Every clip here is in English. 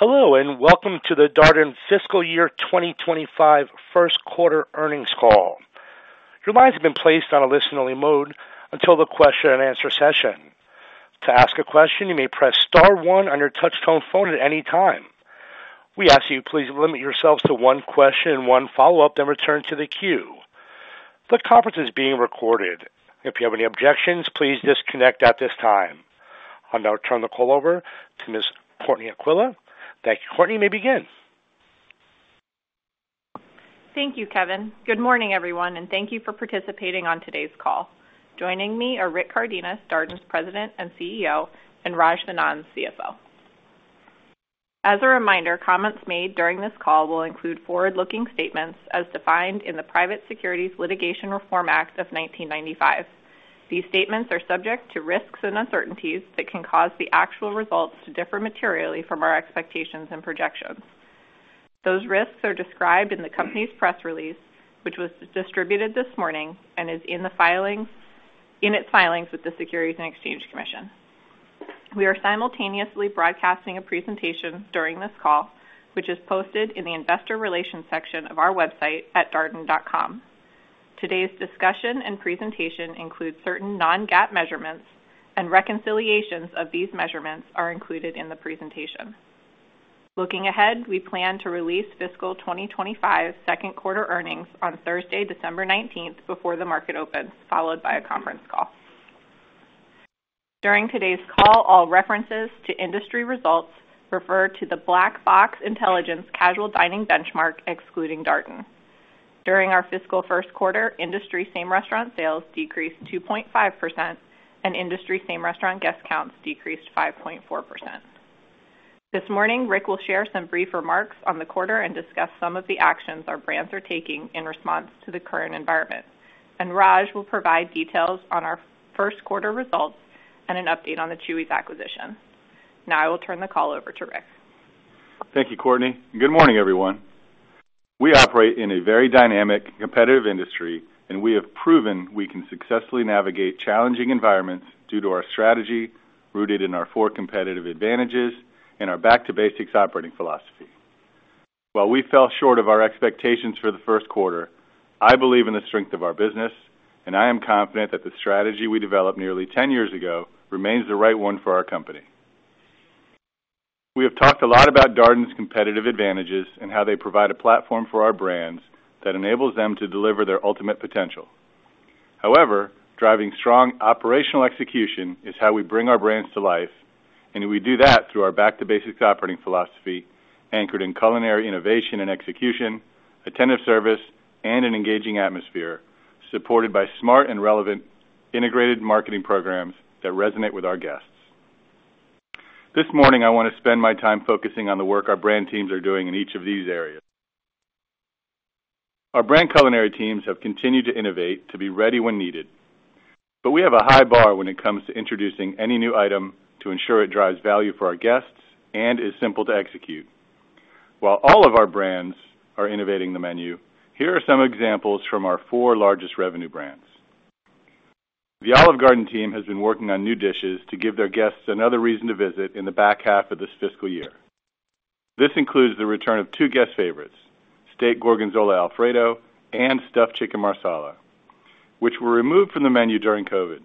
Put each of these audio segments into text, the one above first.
Hello, and welcome to the Darden Fiscal Year twenty twenty-five Q1 earnings call. Your lines have been placed on a listen-only mode until the question and answer session. To ask a question, you may press star one on your touchtone phone at any time. We ask you to please limit yourselves to one question and one follow-up, then return to the queue. The conference is being recorded. If you have any objections, please disconnect at this time. I'll now turn the call over to Ms. Courtney Aquila. Thank you, Courtney, you may begin. Thank you, Kevin. Good morning, everyone, and thank you for participating on today's call. Joining me are Rick Cardenas, Darden's President and CEO, and Raj Vennam, CFO. As a reminder, comments made during this call will include forward-looking statements as defined in the Private Securities Litigation Reform Act of 1995. These statements are subject to risks and uncertainties that can cause the actual results to differ materially from our expectations and projections. Those risks are described in the company's press release, which was distributed this morning and is in its filings with the Securities and Exchange Commission. We are simultaneously broadcasting a presentation during this call, which is posted in the Investor Relations section of our website at darden.com. Today's discussion and presentation includes certain non-GAAP measurements, and reconciliations of these measurements are included in the presentation. Looking ahead, we plan to release Fiscal 2025 Q2 earnings on Thursday, December 19th, before the market opens, followed by a conference call. During today's call, all references to industry results refer to the Black Box Intelligence Casual Dining Benchmark, excluding Darden. During our fiscal Q1, industry same-restaurant sales decreased 2.5%, and industry same-restaurant guest counts decreased 5.4%. This morning, Rick will share some brief remarks on the quarter and discuss some of the actions our brands are taking in response to the current environment. And Raj will provide details on our Q1 results and an update on the Chuy's acquisition. Now, I will turn the call over to Rick. Thank you, Courtney. Good morning, everyone. We operate in a very dynamic, competitive industry, and we have proven we can successfully navigate challenging environments due to our strategy, rooted in our four competitive advantages and our back to basics operating philosophy. While we fell short of our expectations for the Q1, I believe in the strength of our business, and I am confident that the strategy we developed nearly ten years ago remains the right one for our company. We have talked a lot about Darden's competitive advantages and how they provide a platform for our brands that enables them to deliver their ultimate potential. However, driving strong operational execution is how we bring our brands to life, and we do that through our back to basics operating philosophy, anchored in culinary innovation and execution, attentive service, and an engaging atmosphere, supported by smart and relevant integrated marketing programs that resonate with our guests. This morning, I want to spend my time focusing on the work our brand teams are doing in each of these areas. Our brand culinary teams have continued to innovate to be ready when needed, but we have a high bar when it comes to introducing any new item to ensure it drives value for our guests and is simple to execute. While all of our brands are innovating the menu, here are some examples from our four largest revenue brands. The Olive Garden team has been working on new dishes to give their guests another reason to visit in the back half of this fiscal year. This includes the return of two guest favorites, Steak Gorgonzola Alfredo and Stuffed Chicken Marsala, which were removed from the menu during COVID.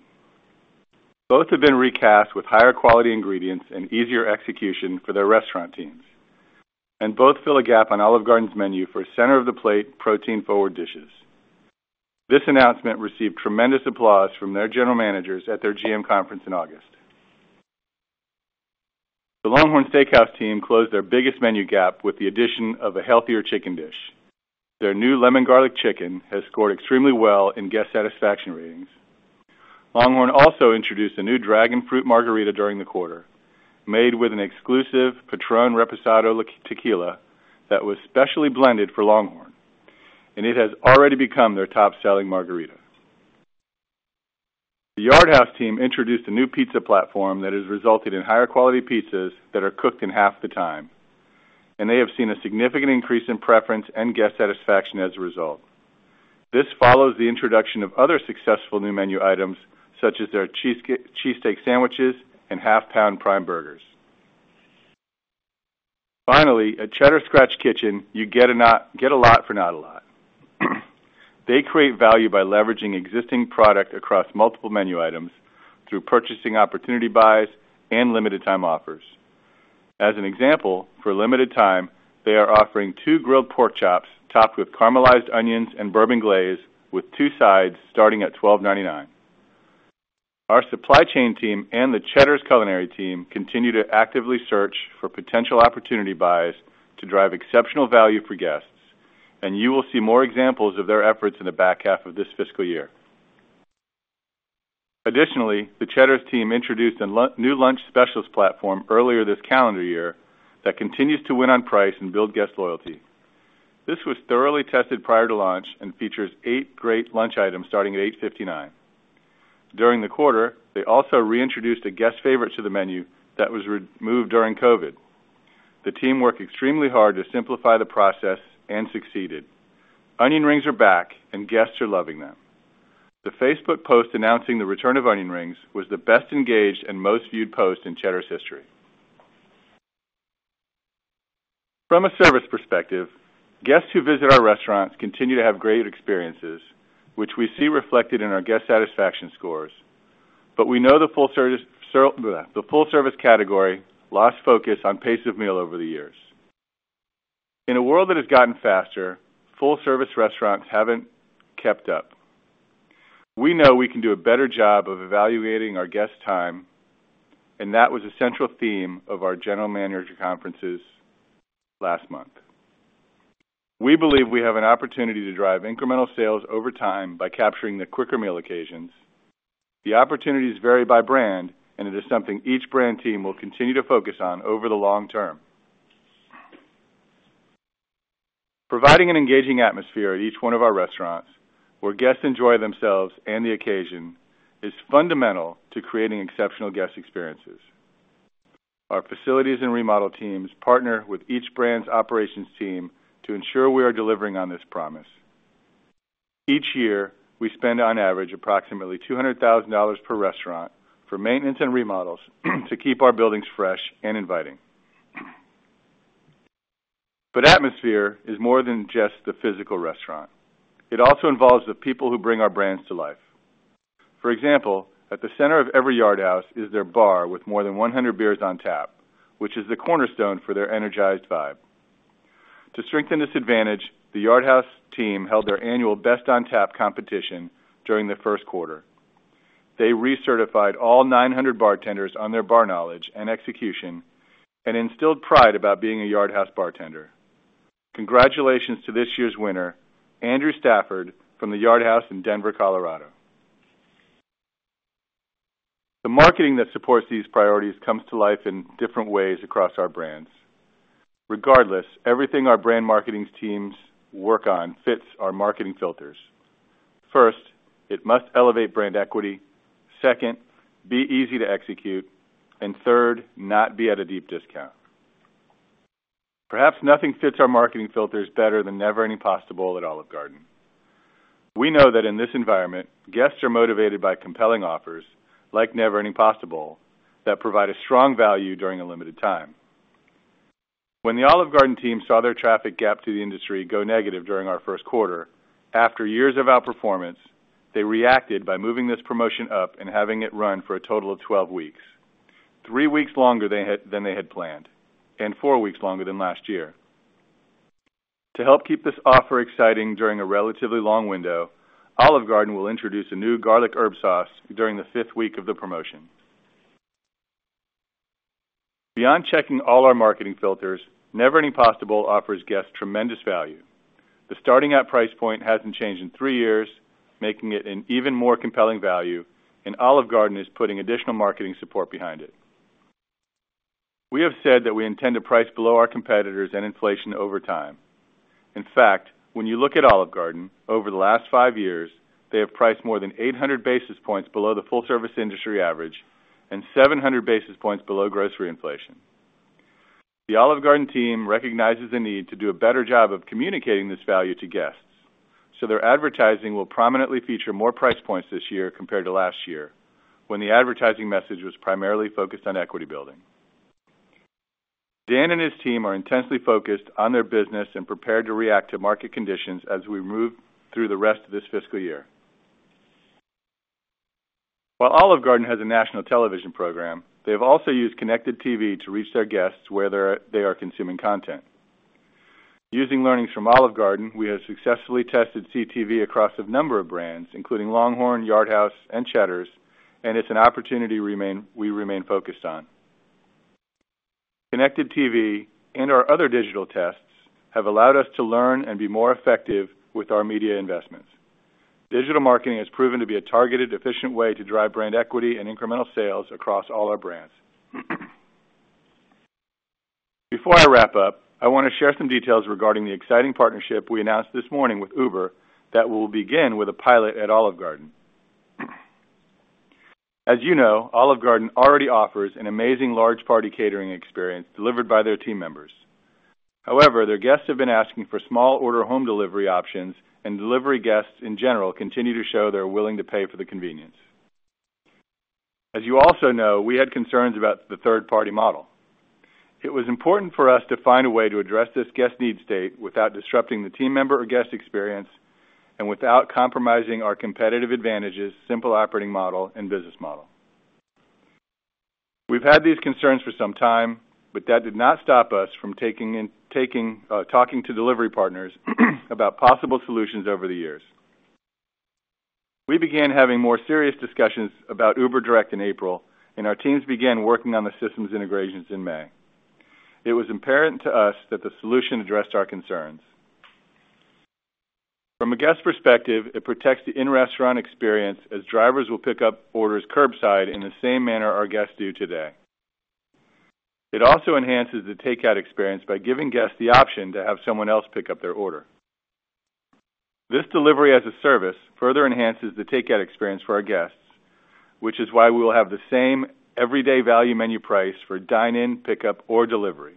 Both have been recast with higher quality ingredients and easier execution for their restaurant teams, and both fill a gap on Olive Garden's menu for center-of-the-plate, protein-forward dishes. This announcement received tremendous applause from their general managers at their GM conference in August. The LongHorn Steakhouse team closed their biggest menu gap with the addition of a healthier chicken dish. Their new Lemon Garlic Chicken has scored extremely well in guest satisfaction ratings. LongHorn also introduced a new Dragon Fruit Margarita during the quarter, made with an exclusive Patrón Reposado Tequila that was specially blended for LongHorn, and it has already become their top-selling margarita. The Yard House team introduced a new pizza platform that has resulted in higher quality pizzas that are cooked in half the time, and they have seen a significant increase in preference and guest satisfaction as a result. This follows the introduction of other successful new menu items, such as their cheesesteak sandwiches and half-pound prime burgers. Finally, at Cheddar's Scratch Kitchen, you get a lot for not a lot. They create value by leveraging existing product across multiple menu items through purchasing opportunity buys and limited time offers. As an example, for a limited time, they are offering two grilled pork chops topped with caramelized onions and bourbon glaze, with two sides starting at $12.99. Our supply chain team and the Cheddar's culinary team continue to actively search for potential opportunity buys to drive exceptional value for guests, and you will see more examples of their efforts in the back half of this fiscal year. Additionally, the Cheddar's team introduced a new lunch specials platform earlier this calendar year that continues to win on price and build guest loyalty. This was thoroughly tested prior to launch and features eight great lunch items, starting at $8.59. During the quarter, they also reintroduced a guest favorite to the menu that was removed during COVID. The team worked extremely hard to simplify the process and succeeded. Onion rings are back, and guests are loving them. The Facebook post announcing the return of onion rings was the best engaged and most viewed post in Cheddar's history. From a service perspective, guests who visit our restaurants continue to have great experiences, which we see reflected in our guest satisfaction scores, but we know the full service category lost focus on pace of meal over the years. In a world that has gotten faster, full-service restaurants haven't kept up. We know we can do a better job of evaluating our guest time, and that was a central theme of our general manager conferences last month. We believe we have an opportunity to drive incremental sales over time by capturing the quicker meal occasions. The opportunities vary by brand, and it is something each brand team will continue to focus on over the long term. Providing an engaging atmosphere at each one of our restaurants, where guests enjoy themselves and the occasion, is fundamental to creating exceptional guest experiences. Our facilities and remodel teams partner with each brand's operations team to ensure we are delivering on this promise. Each year, we spend, on average, approximately $200,000 per restaurant for maintenance and remodels to keep our buildings fresh and inviting. But atmosphere is more than just the physical restaurant. It also involves the people who bring our brands to life. For example, at the center of every Yard House is their bar, with more than 100 beers on tap, which is the cornerstone for their energized vibe. To strengthen this advantage, the Yard House team held their annual Best on Tap competition during the Q1. They recertified all 900 bartenders on their bar knowledge and execution and instilled pride about being a Yard House bartender. Congratulations to this year's winner, Andrew Stafford, from the Yard House in Denver, Colorado. The marketing that supports these priorities comes to life in different ways across our brands. Regardless, everything our brand marketing teams work on fits our marketing filters. First, it must elevate brand equity, second, be easy to execute, and third, not be at a deep discount. Perhaps nothing fits our marketing filters better than Never Ending Pasta Bowl at Olive Garden. We know that in this environment, guests are motivated by compelling offers, like Never Ending Pasta Bowl, that provide a strong value during a limited time. When the Olive Garden team saw their traffic gap to the industry go negative during our Q1, after years of outperformance, they reacted by moving this promotion up and having it run for a total of 12 weeks, three weeks longer than they had planned, and four weeks longer than last year. To help keep this offer exciting during a relatively long window, Olive Garden will introduce a new garlic herb sauce during the fifth week of the promotion. Beyond checking all our marketing filters, Never Ending Pasta Bowl offers guests tremendous value. The starting out price point hasn't changed in three years, making it an even more compelling value, and Olive Garden is putting additional marketing support behind it. We have said that we intend to price below our competitors and inflation over time. In fact, when you look at Olive Garden, over the last five years, they have priced more than eight hundred basis points below the full-service industry average and seven hundred basis points below grocery inflation. The Olive Garden team recognizes the need to do a better job of communicating this value to guests, so their advertising will prominently feature more price points this year compared to last year, when the advertising message was primarily focused on equity building. Dan and his team are intensely focused on their business and prepared to react to market conditions as we move through the rest of this fiscal year. While Olive Garden has a national television program, they've also used connected TV to reach their guests where they're consuming content. Using learnings from Olive Garden, we have successfully tested CTV across a number of brands, including LongHorn, Yard House, and Cheddar's, and it's an opportunity we remain focused on. Connected TV and our other digital tests have allowed us to learn and be more effective with our media investments. Digital marketing has proven to be a targeted, efficient way to drive brand equity and incremental sales across all our brands. Before I wrap up, I want to share some details regarding the exciting partnership we announced this morning with Uber that will begin with a pilot at Olive Garden. As you know, Olive Garden already offers an amazing large party catering experience delivered by their team members. However, their guests have been asking for small order home delivery options, and delivery guests, in general, continue to show they're willing to pay for the convenience. As you also know, we had concerns about the third-party model. It was important for us to find a way to address this guest need state without disrupting the team member or guest experience and without compromising our competitive advantages, simple operating model, and business model. We've had these concerns for some time, but that did not stop us from talking to delivery partners about possible solutions over the years. We began having more serious discussions about Uber Direct in April, and our teams began working on the systems integrations in May. It was imperative to us that the solution addressed our concerns. From a guest perspective, it protects the in-restaurant experience, as drivers will pick up orders curbside in the same manner our guests do today. It also enhances the takeout experience by giving guests the option to have someone else pick up their order. This delivery as a service further enhances the takeout experience for our guests, which is why we will have the same everyday value menu price for dine-in, pickup, or delivery.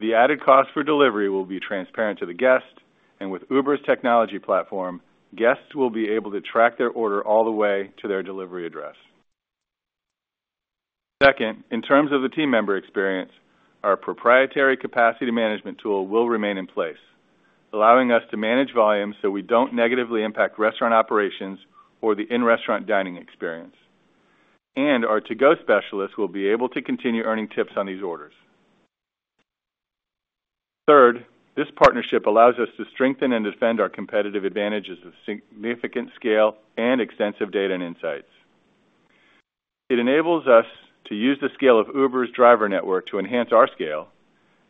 The added cost for delivery will be transparent to the guest, and with Uber's technology platform, guests will be able to track their order all the way to their delivery address. Second, in terms of the team member experience, our proprietary capacity management tool will remain in place, allowing us to manage volumes so we don't negatively impact restaurant operations or the in-restaurant dining experience. And our To-Go specialists will be able to continue earning tips on these orders. Third, this partnership allows us to strengthen and defend our competitive advantages of significant scale and extensive data and insights. It enables us to use the scale of Uber's driver network to enhance our scale,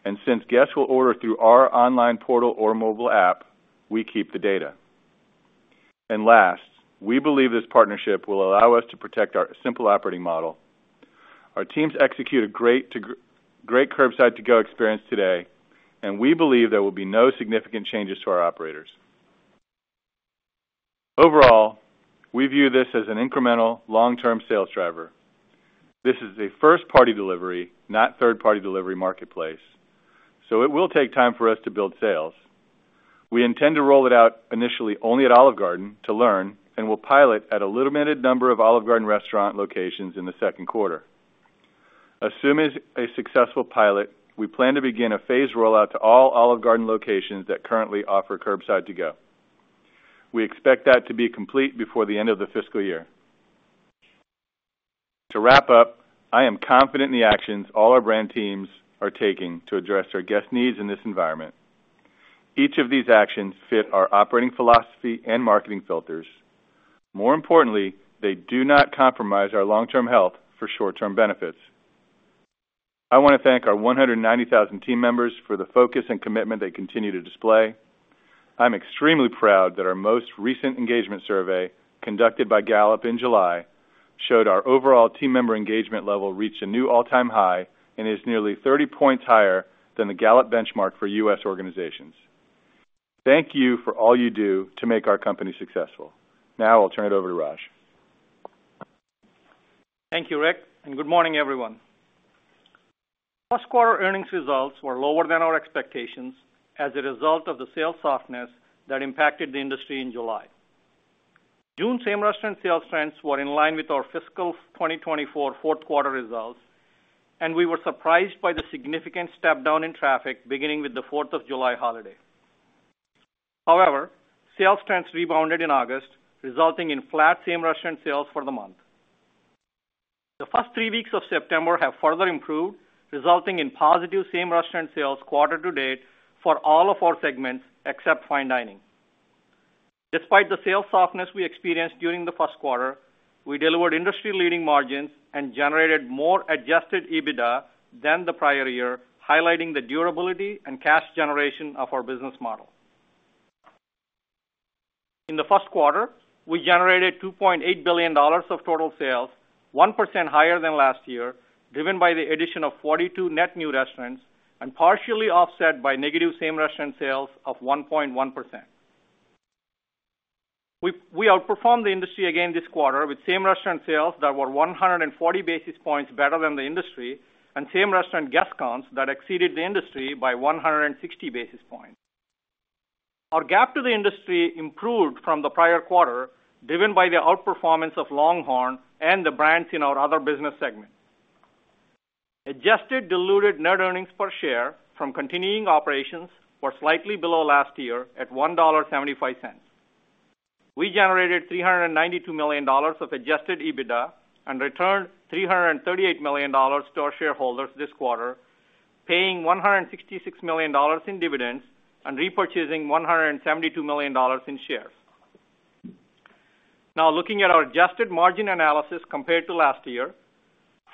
and since guests will order through our online portal or mobile app, we keep the data. And last, we believe this partnership will allow us to protect our simple operating model. Our teams execute a great curbside to-go experience today, and we believe there will be no significant changes to our operators. Overall, we view this as an incremental long-term sales driver. This is a first-party delivery, not third-party delivery marketplace, so it will take time for us to build sales. We intend to roll it out initially only at Olive Garden to learn, and we'll pilot at a limited number of Olive Garden restaurant locations in the Q2. Assume it's a successful pilot, we plan to begin a phased rollout to all Olive Garden locations that currently offer curbside to go. We expect that to be complete before the end of the fiscal year. To wrap up, I am confident in the actions all our brand teams are taking to address our guest needs in this environment. Each of these actions fit our operating philosophy and marketing filters. More importantly, they do not compromise our long-term health for short-term benefits. I want to thank our one hundred and ninety thousand team members for the focus and commitment they continue to display. I'm extremely proud that our most recent engagement survey, conducted by Gallup in July, showed our overall team member engagement level reached a new all-time high and is nearly thirty points higher than the Gallup benchmark for U.S. organizations. Thank you for all you do to make our company successful. Now, I'll turn it over to Raj. Thank you, Rick, and good morning, everyone. First quarter earnings results were lower than our expectations as a result of the sales softness that impacted the industry in July. June same-restaurant sales trends were in line with our fiscal 2024 Q4 results, and we were surprised by the significant step down in traffic beginning with the Fourth of July holiday. However, sales trends rebounded in August, resulting in flat same-restaurant sales for the month. The first three weeks of September have further improved, resulting in positive same-restaurant sales quarter to date for all of our segments except fine dining. Despite the sales softness we experienced during the Q1, we delivered industry-leading margins and generated more Adjusted EBITDA than the prior year, highlighting the durability and cash generation of our business model. In the Q1, we generated $2.8 billion of total sales, 1% higher than last year, driven by the addition of 42 net new restaurants and partially offset by negative same-restaurant sales of 1.1%. We outperformed the industry again this quarter with same-restaurant sales that were 140 basis points better than the industry and same-restaurant guest counts that exceeded the industry by 160 basis points. Our gap to the industry improved from the prior quarter, driven by the outperformance of LongHorn and the brands in our other business segment. Adjusted diluted net earnings per share from continuing operations were slightly below last year at $1.75. We generated $392 million of Adjusted EBITDA and returned $338 million to our shareholders this quarter, paying $166 million in dividends and repurchasing $172 million in shares. Now, looking at our adjusted margin analysis compared to last year,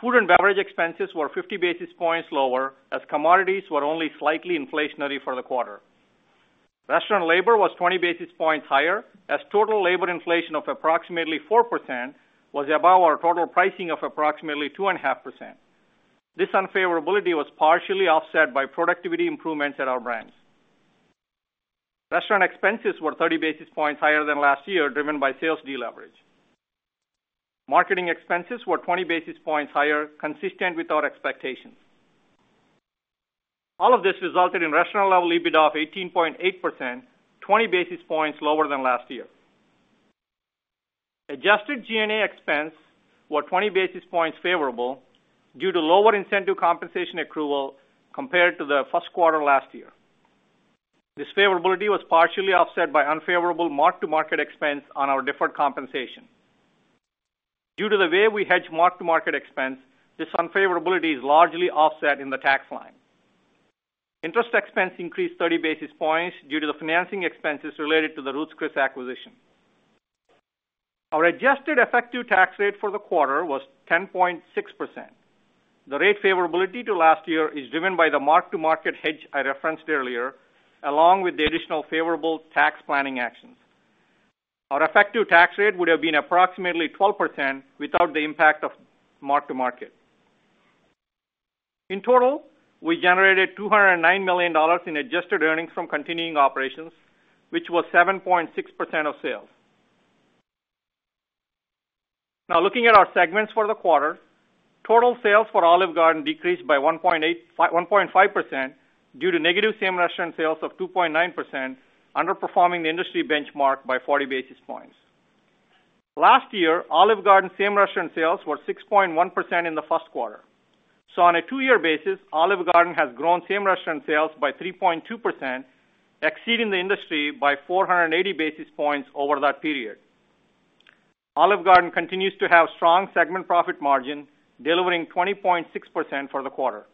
food and beverage expenses were 50 basis points lower, as commodities were only slightly inflationary for the quarter. Restaurant labor was 20 basis points higher, as total labor inflation of approximately 4% was above our total pricing of approximately 2.5%. This unfavorability was partially offset by productivity improvements at our brands. Restaurant expenses were 30 basis points higher than last year, driven by sales deleverage. Marketing expenses were 20 basis points higher, consistent with our expectations. All of this resulted in restaurant-level EBITDA of 18.8%, 20 basis points lower than last year. Adjusted G&A expenses were 20 basis points favorable due to lower incentive compensation accrual compared to the Q1 last year. This favorability was partially offset by unfavorable mark-to-market expense on our deferred compensation. Due to the way we hedge mark-to-market expense, this unfavorability is largely offset in the tax line. Interest expense increased 30 basis points due to the financing expenses related to the Ruth's Chris acquisition. Our adjusted effective tax rate for the quarter was 10.6%. The rate favorability to last year is driven by the mark-to-market hedge I referenced earlier, along with the additional favorable tax planning actions. Our effective tax rate would have been approximately 12% without the impact of mark-to-market. In total, we generated $209 million in adjusted earnings from continuing operations, which was 7.6% of sales. Now, looking at our segments for the quarter, total sales for Olive Garden decreased by 1.5% due to negative same-restaurant sales of 2.9%, underperforming the industry benchmark by 40 basis points. Last year, Olive Garden same-restaurant sales were 6.1% in the Q1. So on a two-year basis, Olive Garden has grown same-restaurant sales by 3.2%, exceeding the industry by 480 basis points over that period. Olive Garden continues to have strong segment profit margin, delivering 20.6% for the quarter.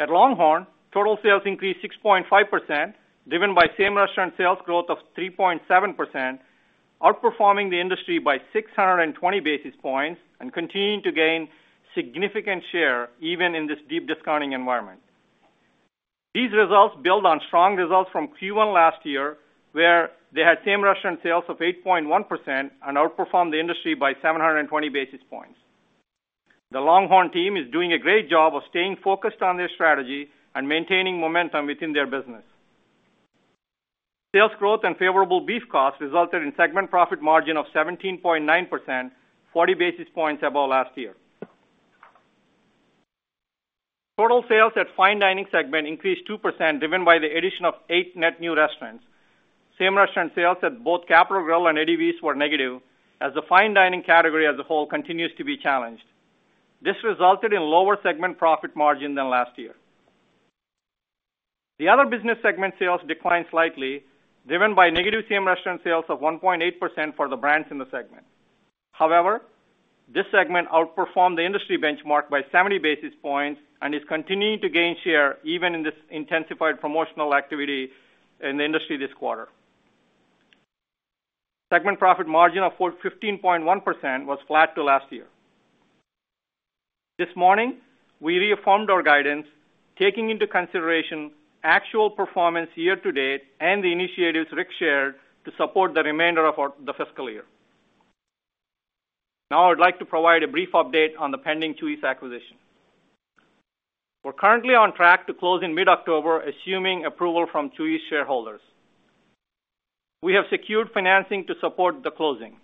At LongHorn, total sales increased 6.5%, driven by same-restaurant sales growth of 3.7%, outperforming the industry by six hundred and twenty basis points and continuing to gain significant share even in this deep discounting environment. These results build on strong results from Q1 last year, where they had same-restaurant sales of 8.1% and outperformed the industry by seven hundred and twenty basis points. The LongHorn team is doing a great job of staying focused on their strategy and maintaining momentum within their business. Sales growth and favorable beef costs resulted in segment profit margin of 17.9%, forty basis points above last year. Total sales at fine dining segment increased 2%, driven by the addition of eight net new restaurants. Same-restaurant sales at both Capital Grille and Eddie V's were negative, as the fine dining category as a whole continues to be challenged. This resulted in lower segment profit margin than last year. The other business segment sales declined slightly, driven by negative same-restaurant sales of 1.8% for the brands in the segment. However, this segment outperformed the industry benchmark by 70 basis points and is continuing to gain share even in this intensified promotional activity in the industry this quarter. Segment profit margin of 14.1% was flat to last year. This morning, we reaffirmed our guidance, taking into consideration actual performance year-to-date and the initiatives Rick shared to support the remainder of our, the fiscal year. Now I'd like to provide a brief update on the pending Chuy's acquisition. We're currently on track to close in mid-October, assuming approval from Chuy's shareholders. We have secured financing to support the closing,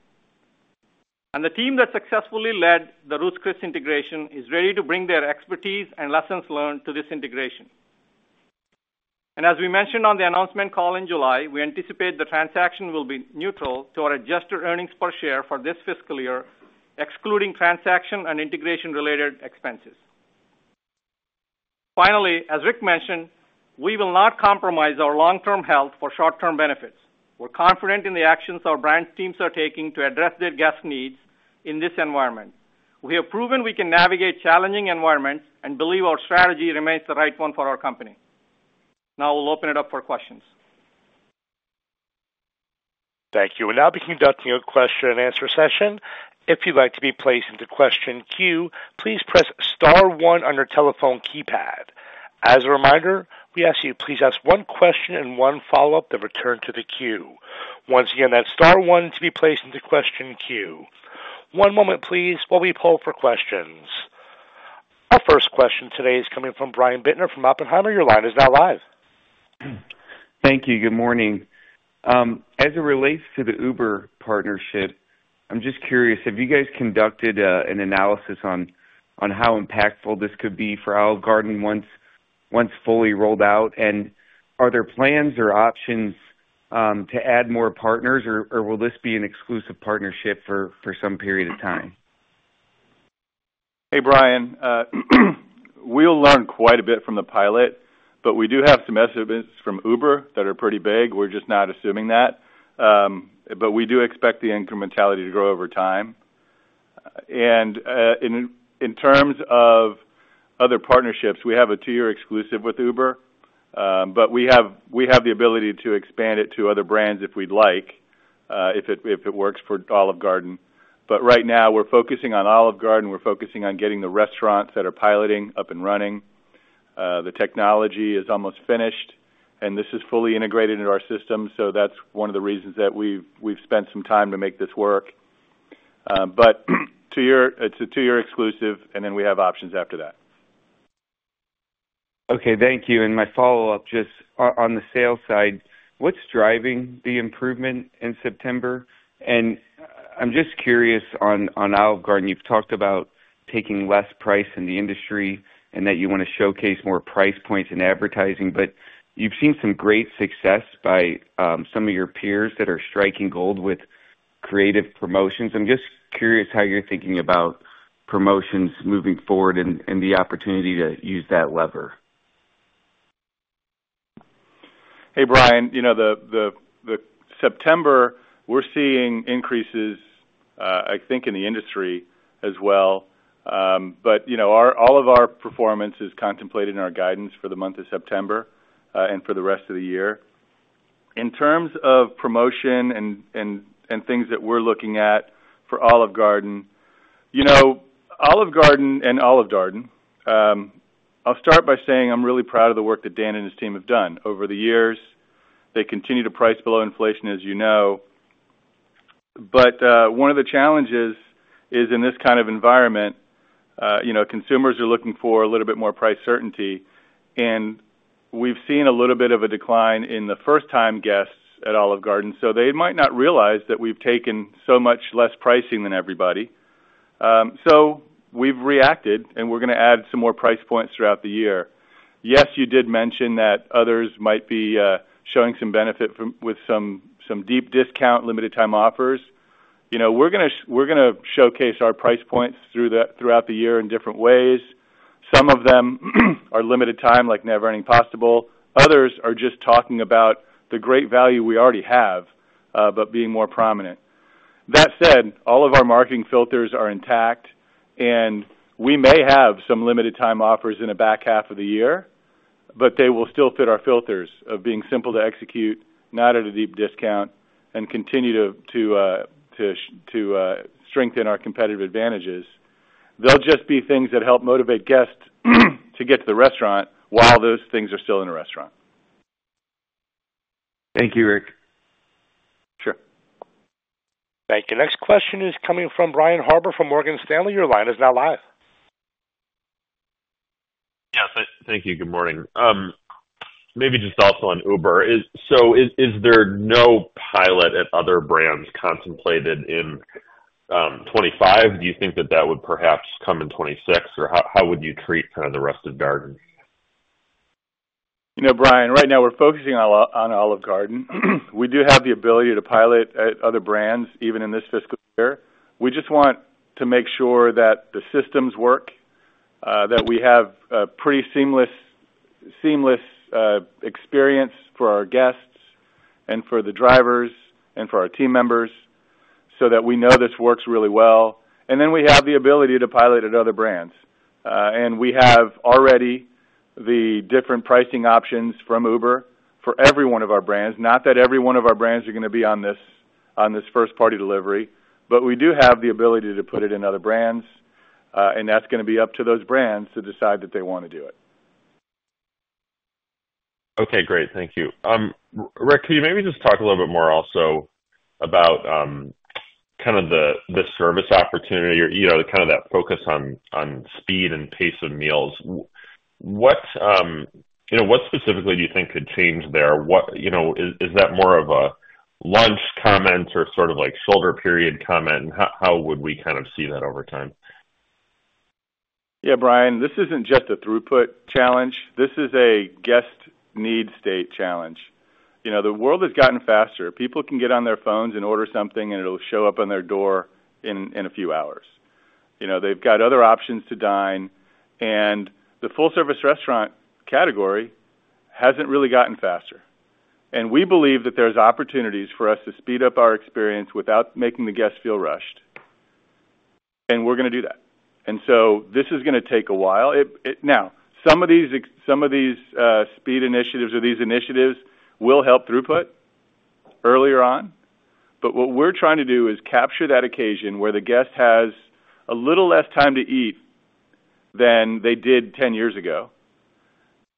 and the team that successfully led the Ruth's Chris integration is ready to bring their expertise and lessons learned to this integration. And as we mentioned on the announcement call in July, we anticipate the transaction will be neutral to our adjusted earnings per share for this fiscal year, excluding transaction and integration-related expenses. Finally, as Rick mentioned, we will not compromise our long-term health for short-term benefits. We're confident in the actions our brand teams are taking to address their guest needs in this environment. We have proven we can navigate challenging environments and believe our strategy remains the right one for our company. Now we'll open it up for questions. Thank you. We'll now be conducting a question-and-answer session. If you'd like to be placed into question queue, please press star one on your telephone keypad. As a reminder, we ask you to please ask one question and one follow-up, then return to the queue. Once again, that's star one to be placed into question queue. One moment, please, while we poll for questions. Our first question today is coming from Brian Bittner from Oppenheimer. Your line is now live. Thank you. Good morning. As it relates to the Uber partnership, I'm just curious, have you guys conducted an analysis on how impactful this could be for Olive Garden once fully rolled out? And are there plans or options to add more partners, or will this be an exclusive partnership for some period of time? Hey, Brian, we'll learn quite a bit from the pilot, but we do have some estimates from Uber that are pretty big. We're just not assuming that. But we do expect the incrementality to grow over time. And, in terms of other partnerships, we have a two-year exclusive with Uber, but we have the ability to expand it to other brands if we'd like, if it works for Olive Garden. But right now we're focusing on Olive Garden. We're focusing on getting the restaurants that are piloting up and running. The technology is almost finished, and this is fully integrated into our system, so that's one of the reasons that we've spent some time to make this work. But to your-- it's a two-year exclusive, and then we have options after that. Okay. Thank you. And my follow-up, just on, on the sales side, what's driving the improvement in September? And I'm just curious on, on Olive Garden. You've talked about taking less price in the industry and that you want to showcase more price points in advertising, but you've seen some great success by some of your peers that are striking gold with creative promotions. I'm just curious how you're thinking about promotions moving forward and, and the opportunity to use that lever. Hey, Brian, you know, the September, we're seeing increases, I think, in the industry as well. But, you know, our all of our performance is contemplated in our guidance for the month of September, and for the rest of the year. In terms of promotion and things that we're looking at for Olive Garden, you know, Olive Garden, I'll start by saying I'm really proud of the work that Dan and his team have done. Over the years, they continue to price below inflation, as you know. But, one of the challenges is, in this kind of environment-... You know, consumers are looking for a little bit more price certainty, and we've seen a little bit of a decline in the first time guests at Olive Garden, so they might not realize that we've taken so much less pricing than everybody. So we've reacted, and we're going to add some more price points throughout the year. Yes, you did mention that others might be showing some benefit from with some deep discount, limited time offers. You know, we're gonna showcase our price points throughout the year in different ways. Some of them are limited time, like Never Ending Pasta Bowl. Others are just talking about the great value we already have, but being more prominent. That said, all of our marketing filters are intact, and we may have some limited time offers in the back half of the year, but they will still fit our filters of being simple to execute, not at a deep discount, and continue to strengthen our competitive advantages. They'll just be things that help motivate guests to get to the restaurant while those things are still in a restaurant. Thank you, Rick. Sure. Thank you. Next question is coming from Brian Harbour from Morgan Stanley. Your line is now live. Yes, thank you. Good morning. Maybe just also on Uber. Is there no pilot at other brands contemplated in 2025? Do you think that would perhaps come in 2026, or how would you treat kind of the rest of Darden? You know, Brian, right now we're focusing on Olive Garden. We do have the ability to pilot at other brands, even in this fiscal year. We just want to make sure that the systems work, that we have a pretty seamless experience for our guests and for the drivers and for our team members, so that we know this works really well. And then we have the ability to pilot at other brands. And we have already the different pricing options from Uber for every one of our brands, not that every one of our brands are gonna be on this first-party delivery, but we do have the ability to put it in other brands, and that's gonna be up to those brands to decide that they want to do it. Okay, great. Thank you. Rick, can you maybe just talk a little bit more also about kind of the service opportunity or, you know, kind of that focus on speed and pace of meals? What, you know, what specifically do you think could change there? What—you know, is that more of a lunch comment or sort of like shoulder period comment? How would we kind of see that over time? Yeah, Brian, this isn't just a throughput challenge. This is a guest need state challenge. You know, the world has gotten faster. People can get on their phones and order something, and it'll show up on their door in a few hours. You know, they've got other options to dine, and the full service restaurant category hasn't really gotten faster. And we believe that there's opportunities for us to speed up our experience without making the guests feel rushed, and we're gonna do that. And so this is gonna take a while. It... Now, some of these speed initiatives or these initiatives will help throughput earlier on, but what we're trying to do is capture that occasion where the guest has a little less time to eat than they did ten years ago,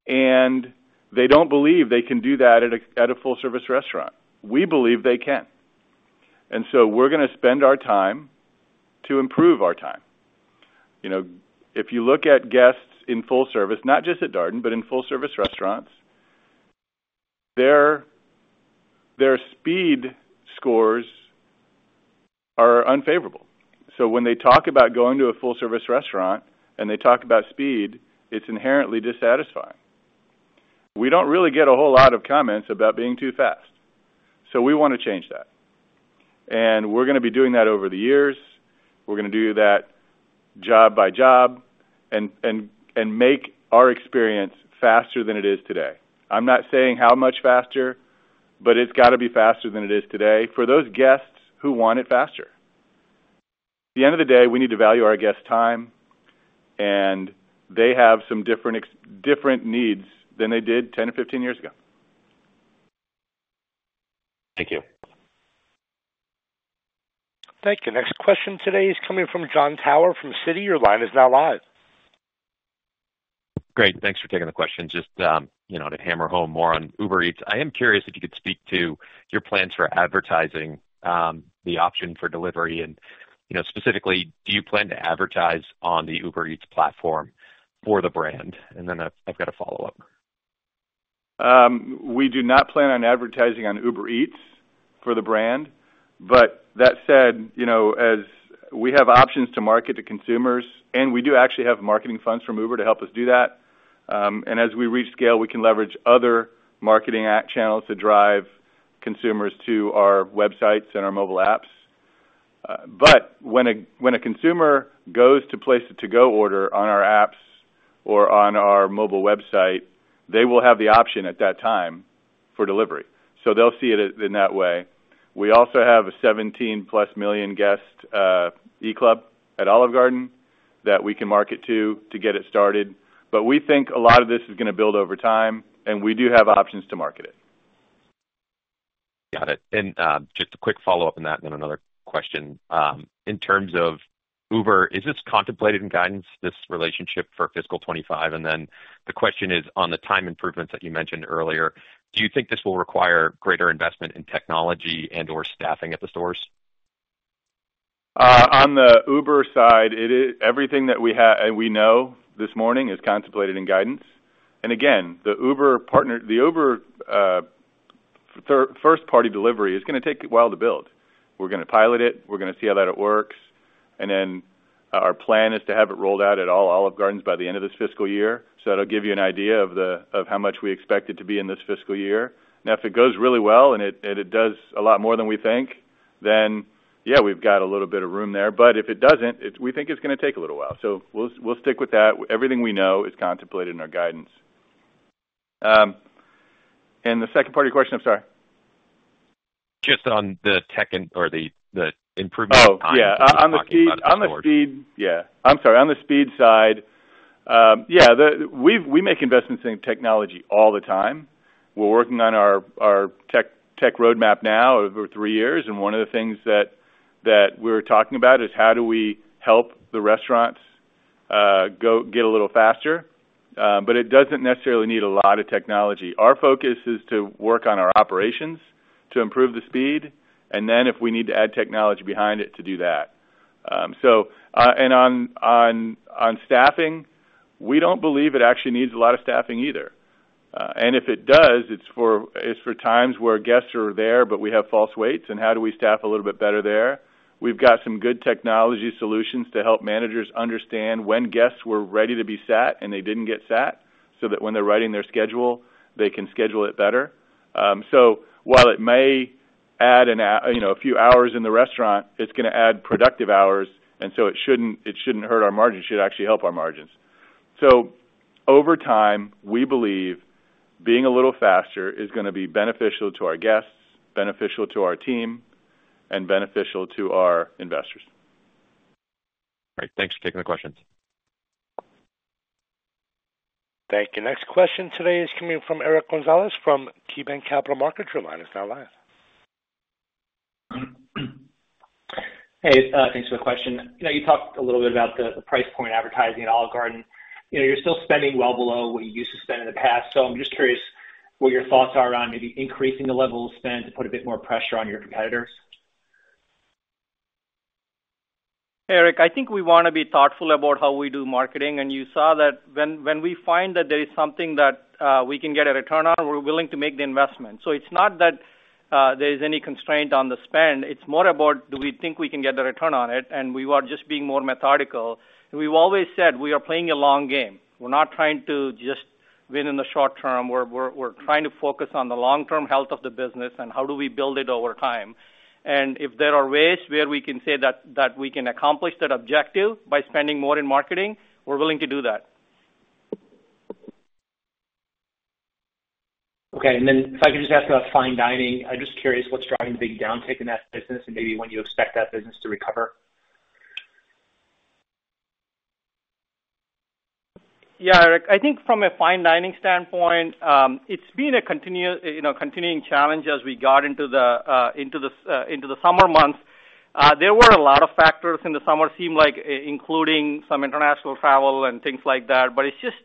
and they don't believe they can do that at a full service restaurant. We believe they can. And so we're gonna spend our time to improve our time. You know, if you look at guests in full service, not just at Darden, but in full service restaurants, their speed scores are unfavorable. So when they talk about going to a full service restaurant and they talk about speed, it's inherently dissatisfying. We don't really get a whole lot of comments about being too fast, so we want to change that. And we're gonna be doing that over the years. We're gonna do that job by job and make our experience faster than it is today. I'm not saying how much faster, but it's got to be faster than it is today for those guests who want it faster. At the end of the day, we need to value our guests' time, and they have some different needs than they did 10 or 15 years ago. Thank you. Thank you. Next question today is coming from John Tower from Citi. Your line is now live. Great, thanks for taking the question. Just, you know, to hammer home more on Uber Eats, I am curious if you could speak to your plans for advertising, the option for delivery, and, you know, specifically, do you plan to advertise on the Uber Eats platform for the brand? And then I've got a follow-up. We do not plan on advertising on Uber Eats for the brand, but that said, you know, as we have options to market to consumers, and we do actually have marketing funds from Uber to help us do that, and as we reach scale, we can leverage other marketing channels to drive consumers to our websites and our mobile apps, but when a consumer goes to place a to-go order on our apps or on our mobile website, they will have the option at that time for delivery. So they'll see it in that way. We also have a 17-plus million guest eClub at Olive Garden that we can market to get it started, but we think a lot of this is gonna build over time, and we do have options to market it. Got it. And, just a quick follow-up on that and then another question. In terms of Uber, is this contemplated in guidance, this relationship for fiscal 2025? And then the question is, on the time improvements that you mentioned earlier, do you think this will require greater investment in technology and/or staffing at the stores?... On the Uber side, it is everything that we have and we know this morning is contemplated in guidance. And again, the Uber partner, the Uber third first-party delivery is gonna take a while to build. We're gonna pilot it, we're gonna see how it works, and then our plan is to have it rolled out at all Olive Gardens by the end of this fiscal year. So that'll give you an idea of how much we expect it to be in this fiscal year. Now, if it goes really well and it does a lot more than we think, then yeah, we've got a little bit of room there. But if it doesn't, it we think it's gonna take a little while. So we'll stick with that. Everything we know is contemplated in our guidance. And the second part of your question, I'm sorry. Just on the tech or the improvement of time- Oh, yeah. You were talking about before. On the speed, yeah. I'm sorry. On the speed side, we've make investments in technology all the time. We're working on our tech roadmap now over three years, and one of the things that we're talking about is how do we help the restaurants get a little faster? But it doesn't necessarily need a lot of technology. Our focus is to work on our operations to improve the speed, and then if we need to add technology behind it, to do that. So, and on staffing, we don't believe it actually needs a lot of staffing either. And if it does, it's for times where guests are there, but we have false waits, and how do we staff a little bit better there? We've got some good technology solutions to help managers understand when guests were ready to be sat and they didn't get sat, so that when they're writing their schedule, they can schedule it better. So while it may add a, you know, a few hours in the restaurant, it's gonna add productive hours, and so it shouldn't hurt our margins. It should actually help our margins. So over time, we believe being a little faster is gonna be beneficial to our guests, beneficial to our team, and beneficial to our investors. Great, thanks for taking the questions. Thank you. Next question today is coming from Eric Gonzalez, from KeyBanc Capital Markets. Your line is now live. Hey, thanks for the question. You know, you talked a little bit about the price point advertising at Olive Garden. You know, you're still spending well below what you used to spend in the past, so I'm just curious what your thoughts are on maybe increasing the level of spend to put a bit more pressure on your competitors? Eric, I think we wanna be thoughtful about how we do marketing, and you saw that when we find that there is something that we can get a return on, we're willing to make the investment. So it's not that there is any constraint on the spend, it's more about do we think we can get the return on it, and we are just being more methodical. We've always said we are playing a long game. We're not trying to just win in the short term. We're trying to focus on the long-term health of the business and how do we build it over time. And if there are ways where we can say that we can accomplish that objective by spending more in marketing, we're willing to do that. Okay, and then if I could just ask about fine dining. I'm just curious what's driving the big downtick in that business and maybe when you expect that business to recover? Yeah, Eric, I think from a fine dining standpoint, it's been a continuing challenge as we got into the summer months. There were a lot of factors in the summer, seemed like including some international travel and things like that. But it's just...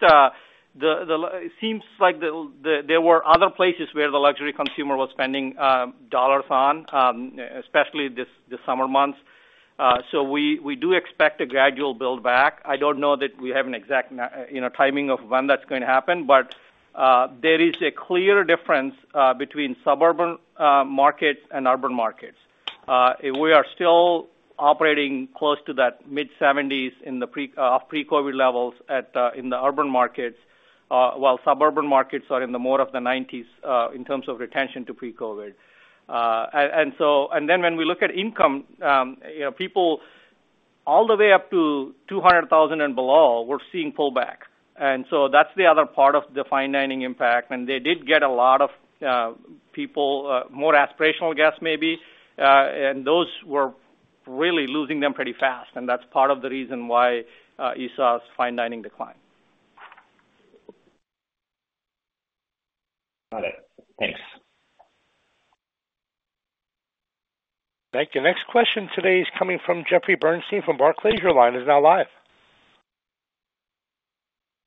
It seems like there were other places where the luxury consumer was spending dollars on, especially this, the summer months. So we do expect a gradual build back. I don't know that we have an exact timing of when that's going to happen, but there is a clear difference between suburban markets and urban markets. We are still operating close to that mid-seventies in the pre-COVID levels at in the urban markets, while suburban markets are in the more of the nineties in terms of retention to pre-COVID. And then when we look at income, you know, people all the way up to two hundred thousand and below, we're seeing pullback. And so that's the other part of the fine dining impact. And they did get a lot of people, more aspirational guests maybe, and those were really losing them pretty fast, and that's part of the reason why you saw fine dining decline. Got it. Thanks. Thank you. Next question today is coming from Jeffrey Bernstein from Barclays. Your line is now live.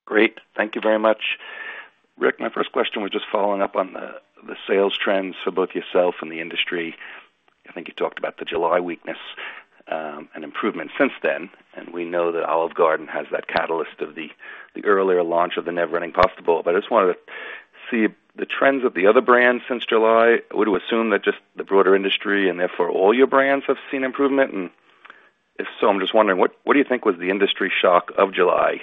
Great. Thank you very much. Rick, my first question was just following up on the, the sales trends for both yourself and the industry. I think you talked about the July weakness, and improvement since then, and we know that Olive Garden has that catalyst of the, the earlier launch of the Never Ending Pasta Bowl. But I just wanted to see the trends of the other brands since July. I would assume that just the broader industry and therefore all your brands have seen improvement, and if so, I'm just wondering, what, what do you think was the industry shock of July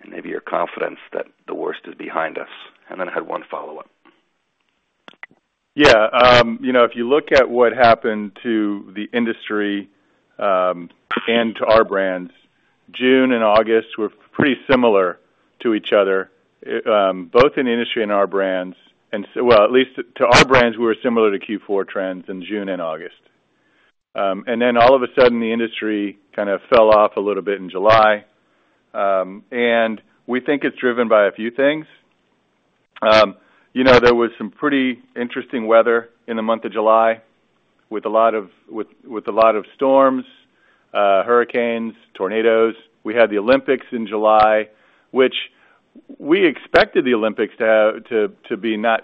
and maybe your confidence that the worst is behind us? And then I had one follow-up. Yeah, you know, if you look at what happened to the industry, and to our brands, June and August were pretty similar to each other, both in the industry and our brands. Well, at least to our brands, we were similar to Q4 trends in June and August. Then all of a sudden, the industry kind of fell off a little bit in July. We think it's driven by a few things. You know, there was some pretty interesting weather in the month of July with a lot of storms, hurricanes, tornadoes. We had the Olympics in July. We expected the Olympics to be not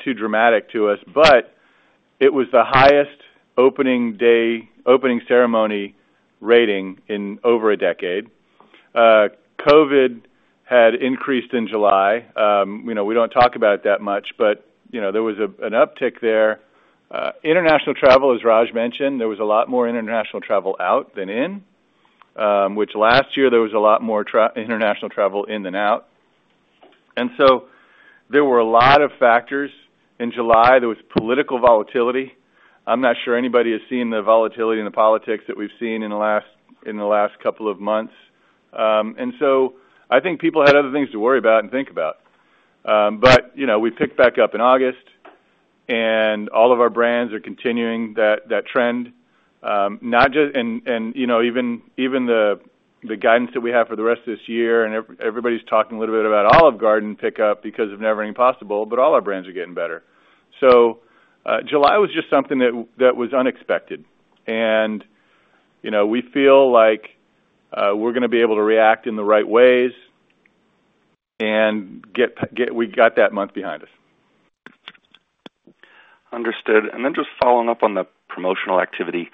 too dramatic to us, but it was the highest opening day, opening ceremony rating in over a decade. COVID had increased in July. You know, we don't talk about it that much, but, you know, there was an uptick there. International travel, as Raj mentioned, there was a lot more international travel out than in, which last year there was a lot more international travel in than out. There were a lot of factors in July. There was political volatility. I'm not sure anybody has seen the volatility in the politics that we've seen in the last couple of months. I think people had other things to worry about and think about. But, you know, we picked back up in August, and all of our brands are continuing that trend, and, you know, even the guidance that we have for the rest of this year, and everybody's talking a little bit about Olive Garden pickup because of Never Ending Pasta Bowl, but all our brands are getting better. So, July was just something that was unexpected. And, you know, we feel like, we're gonna be able to react in the right ways, and we got that month behind us. Understood, and then just following up on the promotional activity.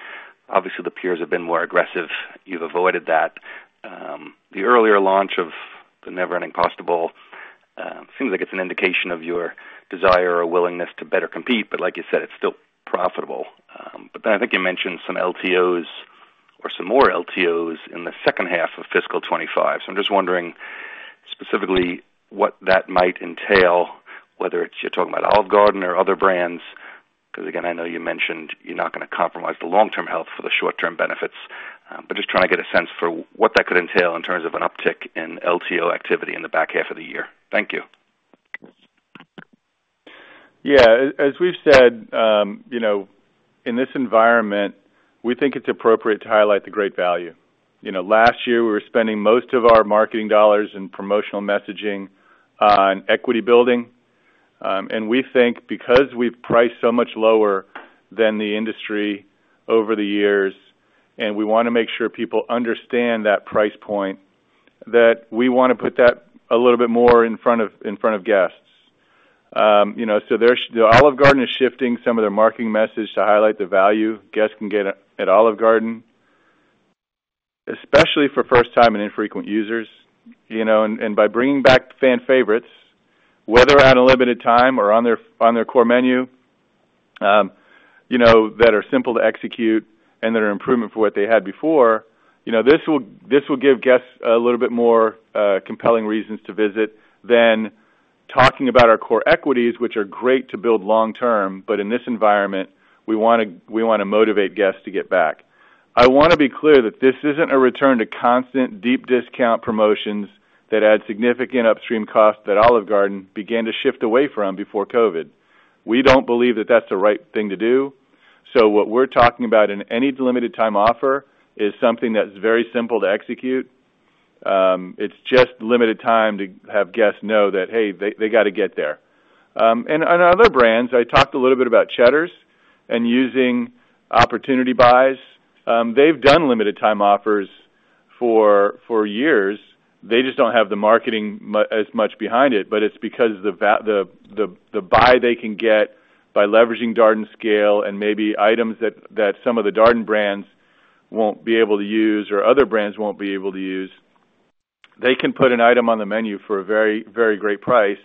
Obviously, the peers have been more aggressive. You've avoided that. The earlier launch of the Never Ending Pasta Bowl seems like it's an indication of your desire or willingness to better compete, but like you said, it's still profitable. But then I think you mentioned some LTOs or some more LTOs in the second half of fiscal twenty-five. So I'm just wondering, specifically, what that might entail, whether it's you're talking about Olive Garden or other brands, because, again, I know you mentioned you're not gonna compromise the long-term health for the short-term benefits. But just trying to get a sense for what that could entail in terms of an uptick in LTO activity in the back half of the year. Thank you. Yeah, as we've said, you know, in this environment, we think it's appropriate to highlight the great value. You know, last year, we were spending most of our marketing dollars in promotional messaging and equity building, and we think because we've priced so much lower than the industry over the years, and we wanna make sure people understand that price point, that we wanna put that a little bit more in front of guests. You know, so there's Olive Garden is shifting some of their marketing message to highlight the value guests can get at, at Olive Garden, especially for first-time and infrequent users, you know, and, and by bringing back the fan favorites, whether at a limited time or on their, on their core menu, you know, that are simple to execute and that are improvement for what they had before, you know, this will, this will give guests a little bit more compelling reasons to visit than talking about our core equities, which are great to build long term, but in this environment, we wanna, we wanna motivate guests to get back. I wanna be clear that this isn't a return to constant deep discount promotions that add significant upstream costs that Olive Garden began to shift away from before COVID. We don't believe that that's the right thing to do. So what we're talking about in any limited time offer is something that's very simple to execute. It's just limited time to have guests know that, hey, they got to get there. And on our other brands, I talked a little bit about Cheddar's and using opportunity buys. They've done limited time offers for years. They just don't have the marketing as much behind it, but it's because the buy they can get by leveraging Darden Scale and maybe items that some of the Darden brands won't be able to use or other brands won't be able to use, they can put an item on the menu for a very, very great price,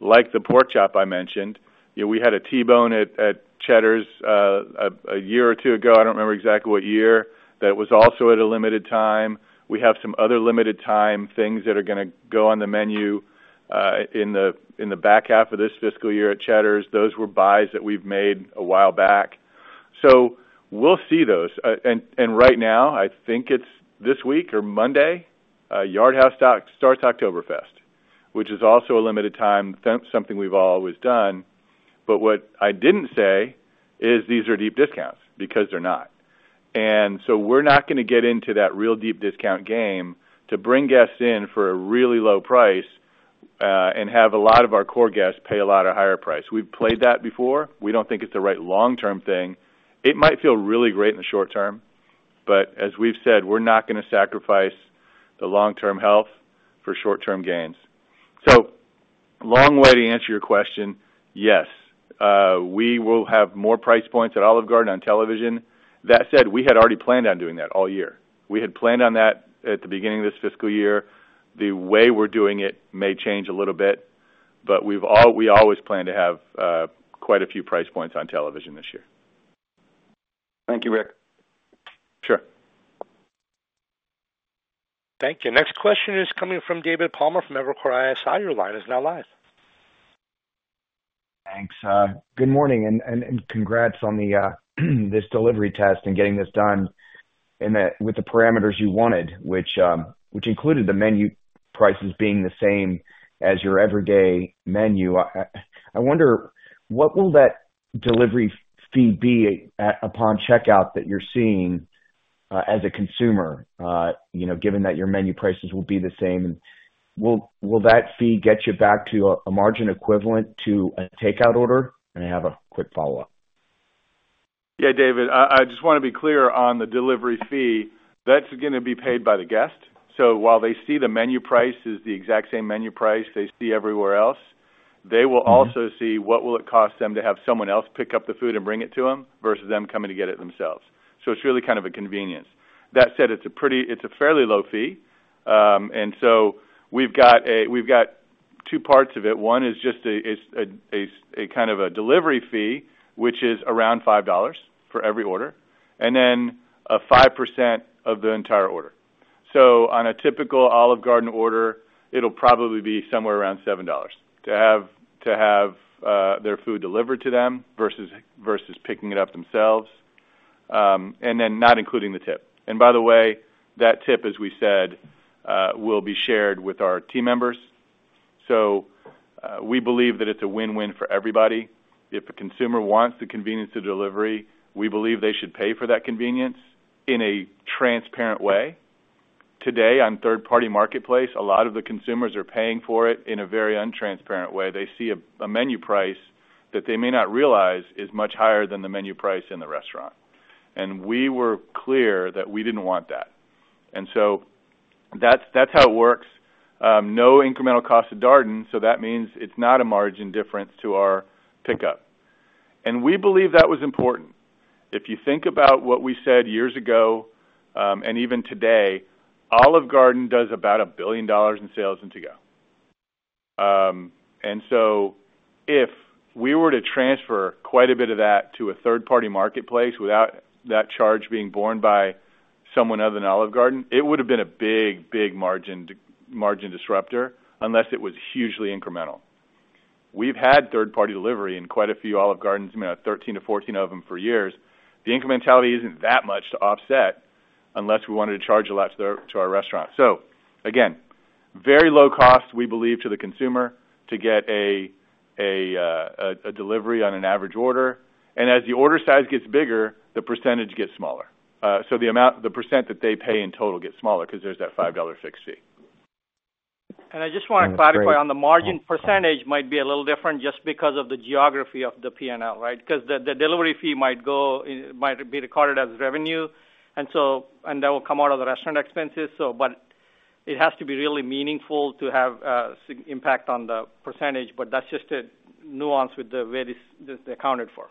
like the pork chop I mentioned. You know, we had a T-bone at Cheddar's a year or two ago. I don't remember exactly what year, that was also at a limited time. We have some other limited time things that are gonna go on the menu in the back half of this fiscal year at Cheddar's. Those were buys that we've made a while back. So we'll see those. And right now, I think it's this week or Monday, Yard House starts Oktoberfest, which is also a limited time, something we've always done. But what I didn't say is these are deep discounts because they're not. And so we're not gonna get into that real deep discount game to bring guests in for a really low price, and have a lot of our core guests pay a lot of higher price. We've played that before. We don't think it's the right long-term thing. It might feel really great in the short term, but as we've said, we're not gonna sacrifice the long-term health for short-term gains. So long way to answer your question, yes, we will have more price points at Olive Garden on television. That said, we had already planned on doing that all year. We had planned on that at the beginning of this fiscal year. The way we're doing it may change a little bit, but we always plan to have quite a few price points on television this year. Thank you, Rick. Sure. Thank you. Next question is coming from David Palmer from Evercore ISI. Your line is now live. Thanks. Good morning, and congrats on the this delivery test and getting this done and that with the parameters you wanted, which included the menu prices being the same as your everyday menu. I wonder, what will that delivery fee be at, upon checkout that you're seeing, as a consumer, you know, given that your menu prices will be the same? Will that fee get you back to a margin equivalent to a takeout order? And I have a quick follow-up.... Yeah, David, I just want to be clear on the delivery fee. That's going to be paid by the guest. So while they see the menu price is the exact same menu price they see everywhere else, they will also see what it will cost them to have someone else pick up the food and bring it to them versus them coming to get it themselves. So it's really kind of a convenience. That said, it's a fairly low fee. And so we've got two parts of it. One is just a kind of a delivery fee, which is around $5 for every order, and then 5% of the entire order. So on a typical Olive Garden order, it'll probably be somewhere around $7 to have their food delivered to them versus picking it up themselves, and then not including the tip. And by the way, that tip, as we said, will be shared with our team members. So, we believe that it's a win-win for everybody. If a consumer wants the convenience of delivery, we believe they should pay for that convenience in a transparent way. Today, on third-party marketplace, a lot of the consumers are paying for it in a very untransparent way. They see a menu price that they may not realize is much higher than the menu price in the restaurant. And we were clear that we didn't want that. And so that's how it works. No incremental cost to Darden, so that means it's not a margin difference to our pickup. And we believe that was important. If you think about what we said years ago, and even today, Olive Garden does about $1 billion in sales in to-go. And so if we were to transfer quite a bit of that to a third-party marketplace without that charge being borne by someone other than Olive Garden, it would have been a big, big margin disruptor, unless it was hugely incremental. We've had third-party delivery in quite a few Olive Gardens, you know, 13 to 14 of them for years. The incrementality isn't that much to offset unless we wanted to charge a lot to our, to our restaurant. So again, very low cost, we believe, to the consumer to get a delivery on an average order. And as the order size gets bigger, the percentage gets smaller. So the amount, the percent that they pay in total gets smaller because there's that $5 fixed fee. And I just want to clarify, the margin percentage might be a little different just because of the geography of the P&L, right? Because the delivery fee might go, it might be recorded as revenue, and so, and that will come out of the restaurant expenses. So, but it has to be really meaningful to have impact on the percentage, but that's just a nuance with the way this is accounted for.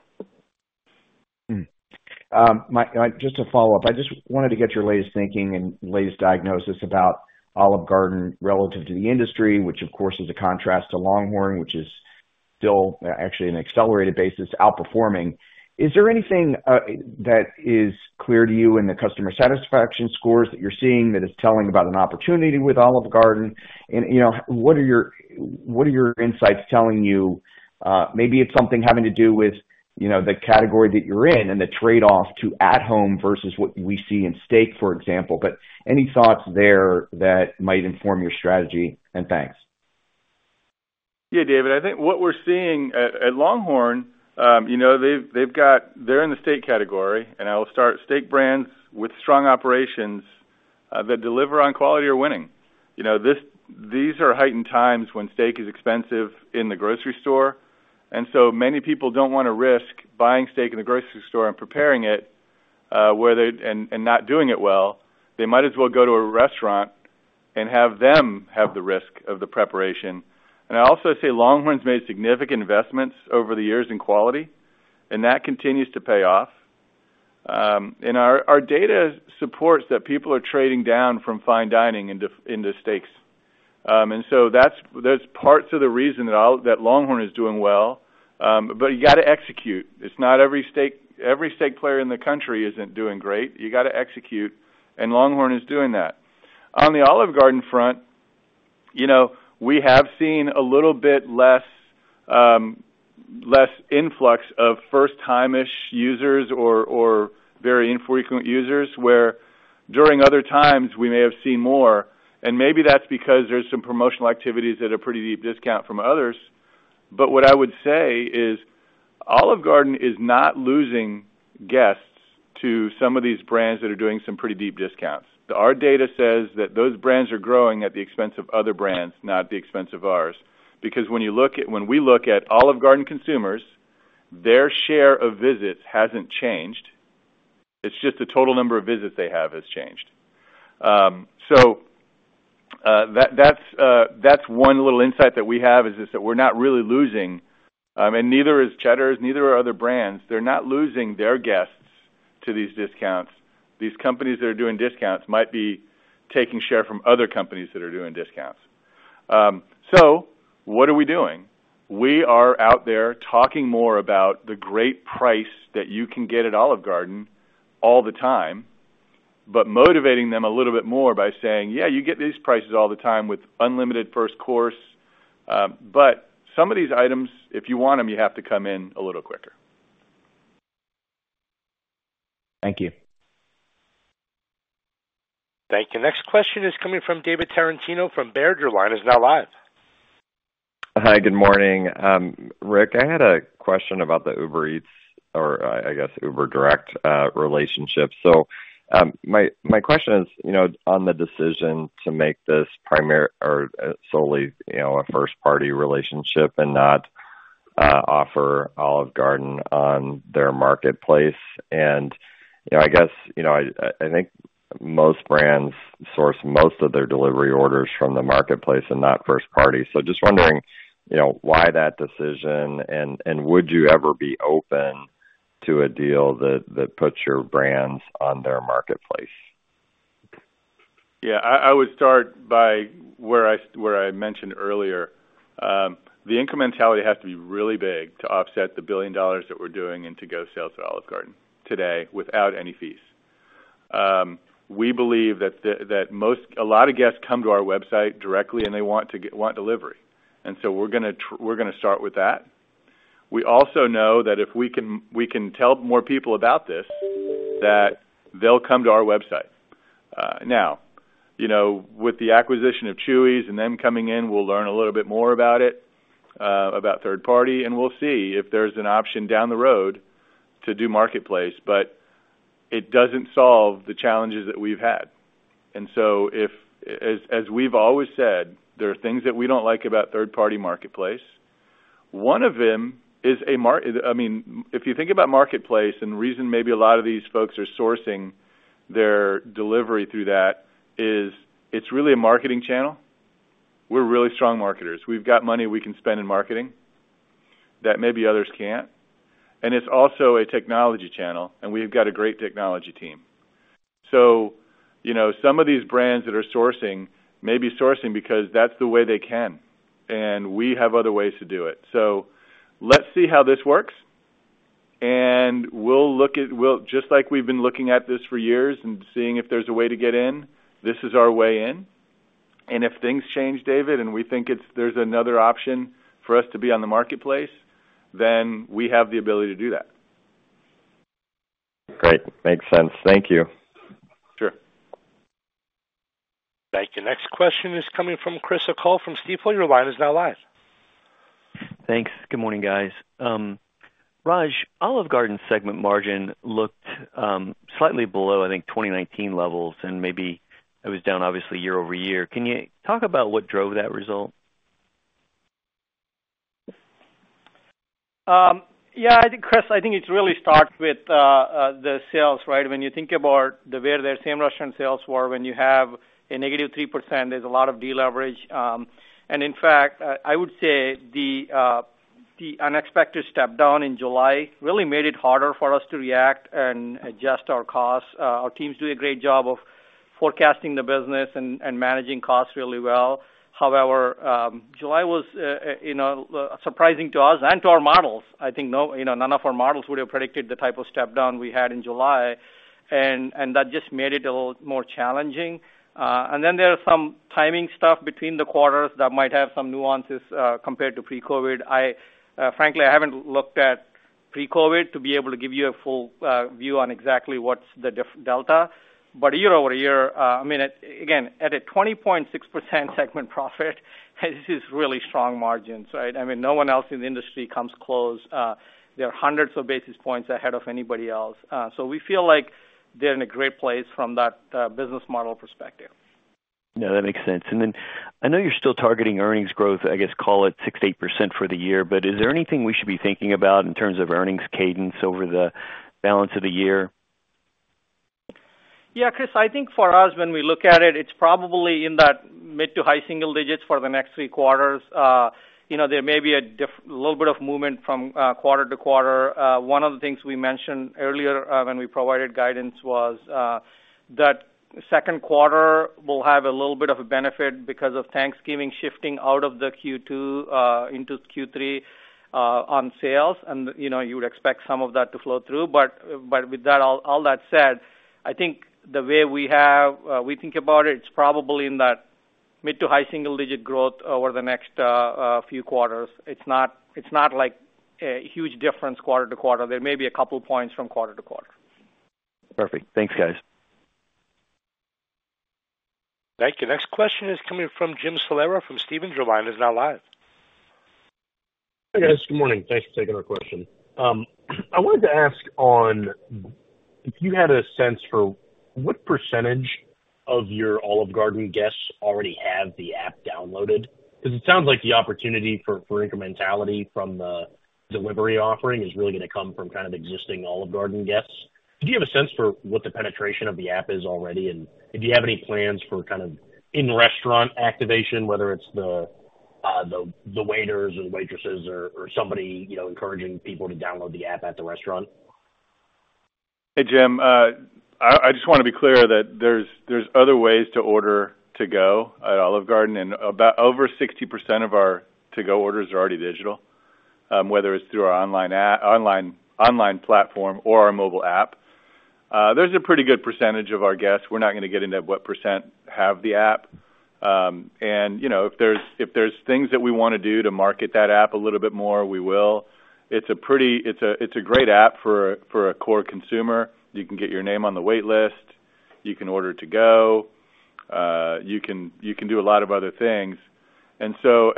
Mike, just to follow up, I just wanted to get your latest thinking and latest diagnosis about Olive Garden relative to the industry, which, of course, is a contrast to LongHorn, which is still actually an accelerated basis outperforming. Is there anything that is clear to you in the customer satisfaction scores that you're seeing that is telling about an opportunity with Olive Garden? And, you know, what are your, what are your insights telling you? Maybe it's something having to do with, you know, the category that you're in and the trade-off to at-home versus what we see in steak, for example. But any thoughts there that might inform your strategy? And thanks. Yeah, David, I think what we're seeing at LongHorn, you know, they've got, they're in the steak category, and all steak brands with strong operations that deliver on quality are winning. You know, these are heightened times when steak is expensive in the grocery store, and so many people don't want to risk buying steak in the grocery store and preparing it, and not doing it well, they might as well go to a restaurant and have them have the risk of the preparation. And I also say LongHorn's made significant investments over the years in quality, and that continues to pay off. And our data supports that people are trading down from fine dining into steaks. And so that's parts of the reason that LongHorn is doing well, but you got to execute. It's not every steak player in the country isn't doing great. You got to execute, and LongHorn is doing that. On the Olive Garden front, you know, we have seen a little bit less influx of first-timish users or very infrequent users, where during other times, we may have seen more, and maybe that's because there's some promotional activities at a pretty deep discount from others, but what I would say is, Olive Garden is not losing guests to some of these brands that are doing some pretty deep discounts. Our data says that those brands are growing at the expense of other brands, not at the expense of ours. Because when we look at Olive Garden consumers, their share of visits hasn't changed. It's just the total number of visits they have has changed. So, that's one little insight that we have, is just that we're not really losing, and neither is Cheddar's, neither are other brands. They're not losing their guests to these discounts. These companies that are doing discounts might be taking share from other companies that are doing discounts. So what are we doing? We are out there talking more about the great price that you can get at Olive Garden all the time, but motivating them a little bit more by saying, "Yeah, you get these prices all the time with unlimited first course, but some of these items, if you want them, you have to come in a little quicker. Thank you. Thank you. Next question is coming from David Tarantino from Baird. Your line is now live. Hi, good morning. Rick, I had a question about the Uber Eats or, I guess, Uber Direct, relationship. So, my question is, you know, on the decision to make this primary or, solely, you know, a first-party relationship and not offer Olive Garden on their marketplace. And, you know, I guess, you know, I think most brands source most of their delivery orders from the marketplace and not first party. So just wondering, you know, why that decision and would you ever be open to a deal that puts your brands on their marketplace? Yeah, I would start by where I mentioned earlier. The incrementality has to be really big to offset the $1 billion that we're doing in to-go sales at Olive Garden today without any fees. We believe that a lot of guests come to our website directly, and they want delivery, and so we're gonna start with that. We also know that if we can tell more people about this, that they'll come to our website. Now, you know, with the acquisition of Chuy's and them coming in, we'll learn a little bit more about it, about third party, and we'll see if there's an option down the road to do marketplace, but it doesn't solve the challenges that we've had. And so, as we've always said, there are things that we don't like about third-party marketplace. One of them is. I mean, if you think about marketplace, and the reason maybe a lot of these folks are sourcing their delivery through that is it's really a marketing channel. We're really strong marketers. We've got money we can spend in marketing that maybe others can't, and it's also a technology channel, and we've got a great technology team. So, you know, some of these brands that are sourcing may be sourcing because that's the way they can, and we have other ways to do it. So let's see how this works, and we'll look at. We'll just like we've been looking at this for years and seeing if there's a way to get in, this is our way in. And if things change, David, and we think there's another option for us to be on the marketplace, then we have the ability to do that. Great. Makes sense. Thank you. Sure. Thank you. Next question is coming from Chris O'Cull from Stifel. Your line is now live. Thanks. Good morning, guys. Raj, Olive Garden segment margin looked slightly below, I think, 2019 levels, and maybe it was down, obviously, year over year. Can you talk about what drove that result? Yeah, I think, Chris, I think it really starts with the sales, right? When you think about the way the same-restaurant sales were, when you have a negative 3%, there's a lot of deleverage. And in fact, I would say the unexpected step down in July really made it harder for us to react and adjust our costs. Our teams do a great job of forecasting the business and managing costs really well. However, July was, you know, surprising to us and to our models. I think, you know, none of our models would have predicted the type of step down we had in July, and that just made it a little more challenging. And then there are some timing stuff between the quarters that might have some nuances, compared to pre-COVID. I frankly, I haven't looked at pre-COVID to be able to give you a full view on exactly what's the delta. But year over year, I mean, again, at a 20.6% segment profit, this is really strong margins, right? I mean, no one else in the industry comes close. They are hundreds of basis points ahead of anybody else. So we feel like they're in a great place from that business model perspective. No, that makes sense. And then I know you're still targeting earnings growth, I guess, call it 6%-8% for the year, but is there anything we should be thinking about in terms of earnings cadence over the balance of the year? Yeah, Chris, I think for us, when we look at it, it's probably in that mid to high single digits for the next three quarters. You know, there may be a little bit of movement from quarter to quarter. One of the things we mentioned earlier, when we provided guidance was, that Q2 will have a little bit of a benefit because of Thanksgiving shifting out of the Q2, into Q3, on sales, and, you know, you would expect some of that to flow through. But with that all that said, I think the way we have, we think about it, it's probably in that mid to high single digit growth over the next few quarters. It's not like a huge difference quarter to quarter. There may be a couple of points from quarter to quarter. Perfect. Thanks, guys. Thank you. Next question is coming from Jim Salera from Stephens. Your line is now live. Hi, guys. Good morning. Thanks for taking our question. I wanted to ask on if you had a sense for what percentage of your Olive Garden guests already have the app downloaded? Because it sounds like the opportunity for incrementality from the delivery offering is really gonna come from kind of existing Olive Garden guests. Do you have a sense for what the penetration of the app is already, and do you have any plans for kind of in-restaurant activation, whether it's the waiters or the waitresses or somebody, you know, encouraging people to download the app at the restaurant? Hey, Jim, I just want to be clear that there's other ways to order to-go at Olive Garden, and about over 60% of our to-go orders are already digital, whether it's through our online platform or our mobile app. There's a pretty good percentage of our guests. We're not gonna get into what percent have the app. And, you know, if there's things that we wanna do to market that app a little bit more, we will. It's a great app for a core consumer. You can get your name on the wait list, you can order to go, you can do a lot of other things. And so,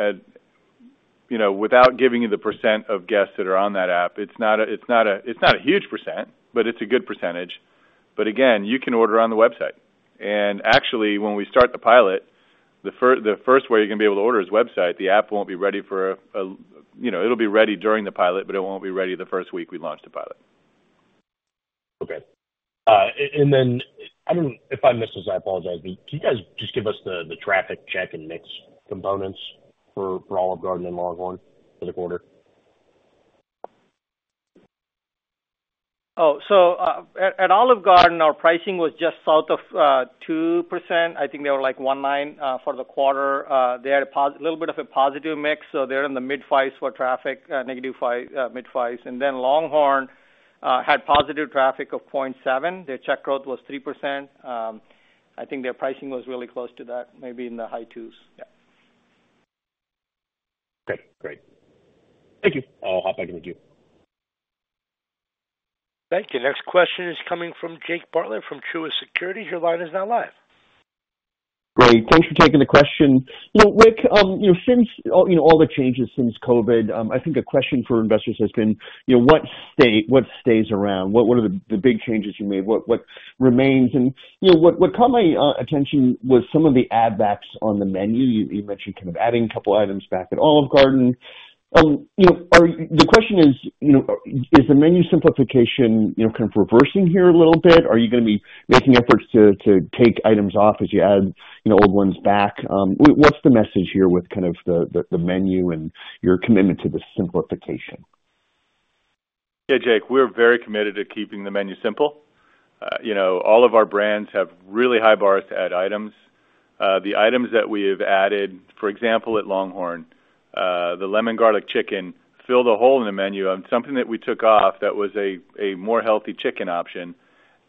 you know, without giving you the percent of guests that are on that app, it's not a huge percent, but it's a good percentage. But again, you can order on the website. And actually, when we start the pilot, the first way you're gonna be able to order is website. The app won't be ready for, you know, it'll be ready during the pilot, but it won't be ready the first week we launch the pilot. Okay. And then, I mean, if I missed this, I apologize, but can you guys just give us the traffic check and mix components for Olive Garden and LongHorn for the quarter? So, at Olive Garden, our pricing was just south of 2%. I think they were like 1.9% for the quarter. They had a little bit of a positive mix, so they're in the mid-fives for traffic, negative mid-fives. And then LongHorn had positive traffic of 0.7. Their check growth was 3%. I think their pricing was really close to that, maybe in the high twos. Yeah. Great. Great. Thank you. I'll hop back into you. Thank you. Next question is coming from Jake Bartlett from Truist Securities. Your line is now live. Great, thanks for taking the question. You know, Rick, you know, since, you know, all the changes since COVID, I think a question for investors has been, you know, what stays around? What are the big changes you made? What remains? And, you know, what caught my attention was some of the add backs on the menu. You mentioned kind of adding a couple items back at Olive Garden. You know, the question is, you know, is the menu simplification, you know, kind of reversing here a little bit? Are you gonna be making efforts to take items off as you add, you know, old ones back? What's the message here with kind of the menu and your commitment to the simplification? Yeah, Jake, we're very committed to keeping the menu simple. You know, all of our brands have really high bars to add items. The items that we have added, for example, at LongHorn, the Lemon Garlic Chicken filled a hole in the menu on something that we took off that was a more healthy chicken option,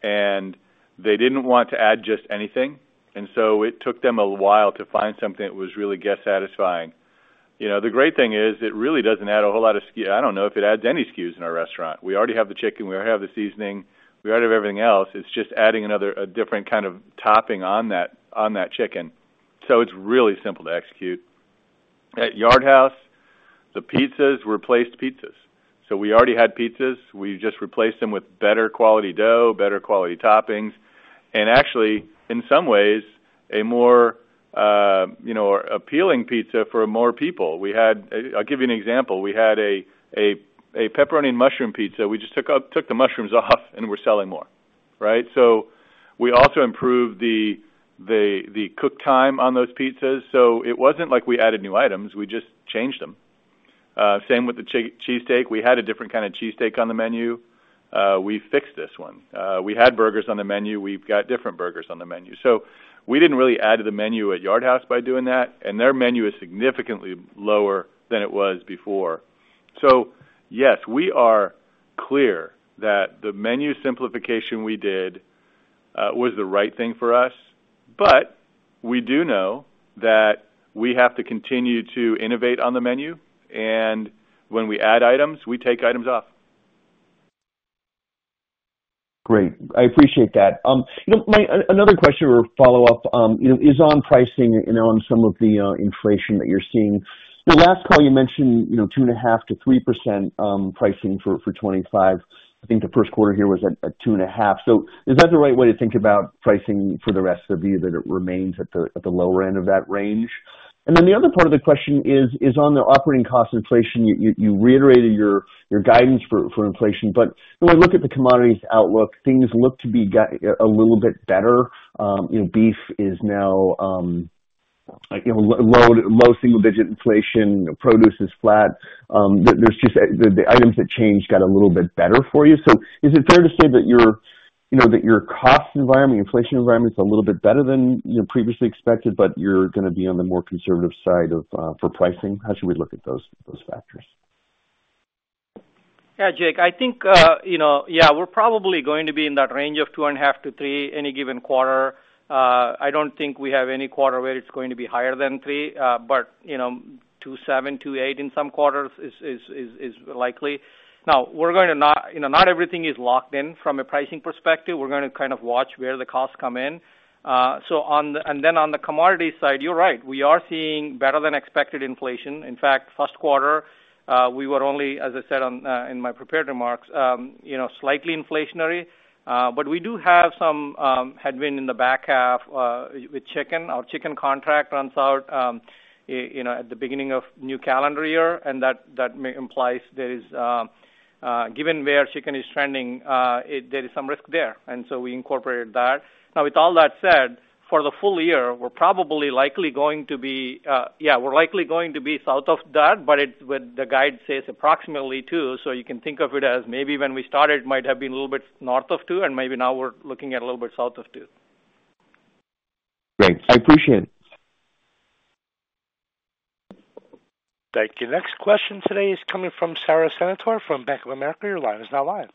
and they didn't want to add just anything, and so it took them a while to find something that was really guest satisfying. You know, the great thing is, it really doesn't add a whole lot of SKU. I don't know if it adds any SKUs in our restaurant. We already have the chicken, we already have the seasoning, we already have everything else. It's just adding another, a different kind of topping on that chicken. So it's really simple to execute. At Yard House, the pizzas replaced pizzas. So we already had pizzas. We just replaced them with better quality dough, better quality toppings, and actually, in some ways, a more, you know, appealing pizza for more people. We had... I'll give you an example. We had a pepperoni mushroom pizza. We just took the mushrooms off and we're selling more, right? So we also improved the cook time on those pizzas, so it wasn't like we added new items, we just changed them. Same with the cheesesteak. We had a different kind of cheesesteak on the menu. We fixed this one. We had burgers on the menu. We've got different burgers on the menu. So we didn't really add to the menu at Yard House by doing that, and their menu is significantly lower than it was before. Yes, we are clear that the menu simplification we did was the right thing for us, but we do know that we have to continue to innovate on the menu, and when we add items, we take items off. Great. I appreciate that. You know, my another question or follow-up, you know, is on pricing, you know, on some of the inflation that you're seeing. The last call, you mentioned, you know, 2.5%-3% pricing for twenty-five. I think the Q1 here was at 2.5%. So is that the right way to think about pricing for the rest of the year, that it remains at the lower end of that range? And then the other part of the question is on the operating cost inflation. You reiterated your guidance for inflation, but when we look at the commodities outlook, things look to be a little bit better. You know, beef is now, like, you know, low single digit inflation. Produce is flat. There's just the items that changed got a little bit better for you. So is it fair to say that your, you know, that your cost environment, inflation environment, is a little bit better than you previously expected, but you're gonna be on the more conservative side of for pricing? How should we look at those factors? Yeah, Jake, I think, you know, yeah, we're probably going to be in that range of 2.5 to 3 any given quarter. I don't think we have any quarter where it's going to be higher than 3, but, you know, 2.7, 2.8 in some quarters is likely. Now, not everything is locked in from a pricing perspective. We're gonna kind of watch where the costs come in. And then on the commodity side, you're right, we are seeing better-than-expected inflation. In fact, Q1, we were only, as I said in my prepared remarks, you know, slightly inflationary, but we do have some headwind in the back half with chicken. Our chicken contract runs out, you know, at the beginning of new calendar year, and that may implies there is, given where chicken is trending, there is some risk there, and so we incorporated that. Now, with all that said, for the full year, we're likely going to be south of that, but it's with the guide says approximately two, so you can think of it as maybe when we started, might have been a little bit north of two, and maybe now we're looking at a little bit south of two. Great. I appreciate it. Thank you. Next question today is coming from Sara Senatore from Bank of America. Your line is now live.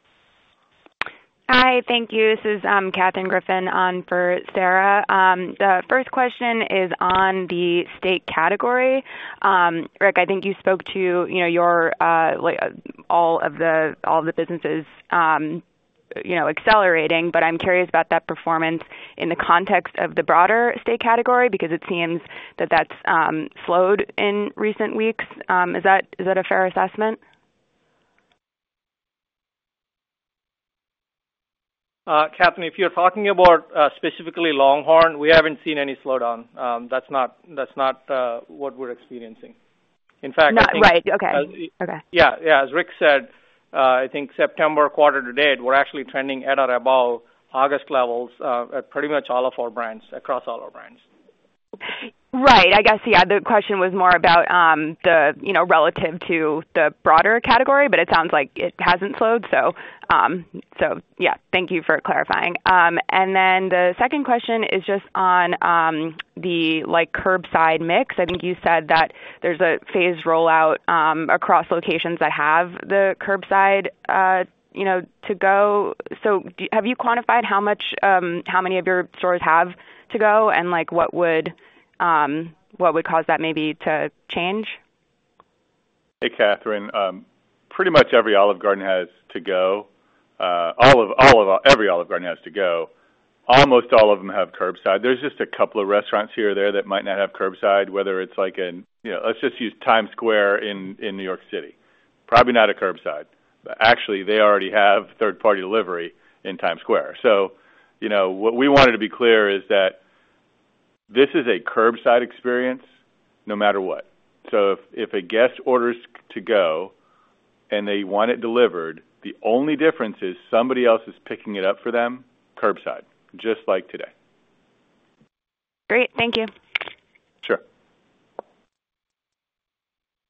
Hi, thank you. This is Katherine Griffin on for Sara. The first question is on the steak category. Rick, I think you spoke to, you know, your, like, all of the businesses, you know, accelerating, but I'm curious about that performance in the context of the broader steak category, because it seems that that's slowed in recent weeks. Is that a fair assessment? ... Catherine, if you're talking about specifically LongHorn, we haven't seen any slowdown. That's not what we're experiencing. In fact- Not, right. Okay. Okay. Yeah, yeah. As Rick said, I think September quarter to date, we're actually trending at or above August levels, at pretty much all of our brands, across all our brands. Right. I guess, yeah, the question was more about, you know, relative to the broader category, but it sounds like it hasn't slowed, so yeah, thank you for clarifying. And then the second question is just on, like, the curbside mix. I think you said that there's a phased rollout across locations that have the curbside, you know, to go. So have you quantified how much, how many of your stores have to go, and, like, what would cause that maybe to change? Hey, Catherine, pretty much every Olive Garden has to go. All of every Olive Garden has to go. Almost all of them have curbside. There's just a couple of restaurants here or there that might not have curbside, whether it's like in, you know, let's just use Times Square in New York City. Probably not a curbside. Actually, they already have third-party delivery in Times Square. So, you know, what we wanted to be clear is that this is a curbside experience no matter what. So if a guest orders to go and they want it delivered, the only difference is somebody else is picking it up for them curbside, just like today. Great. Thank you. Sure.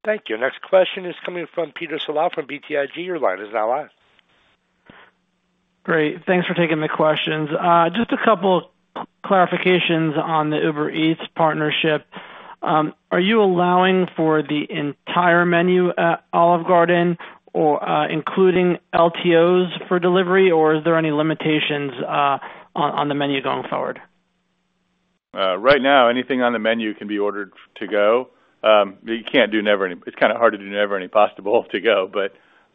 Thank you. Next question is coming from Peter Saleh from BTIG. Your line is now live. Great, thanks for taking the questions. Just a couple clarifications on the Uber Eats partnership. Are you allowing for the entire menu at Olive Garden or including LTOs for delivery, or is there any limitations on the menu going forward? Right now, anything on the menu can be ordered to go, but you can't do Never Ending Pasta Bowl to go. It's kind of hard to do Never Ending Pasta Bowl to go.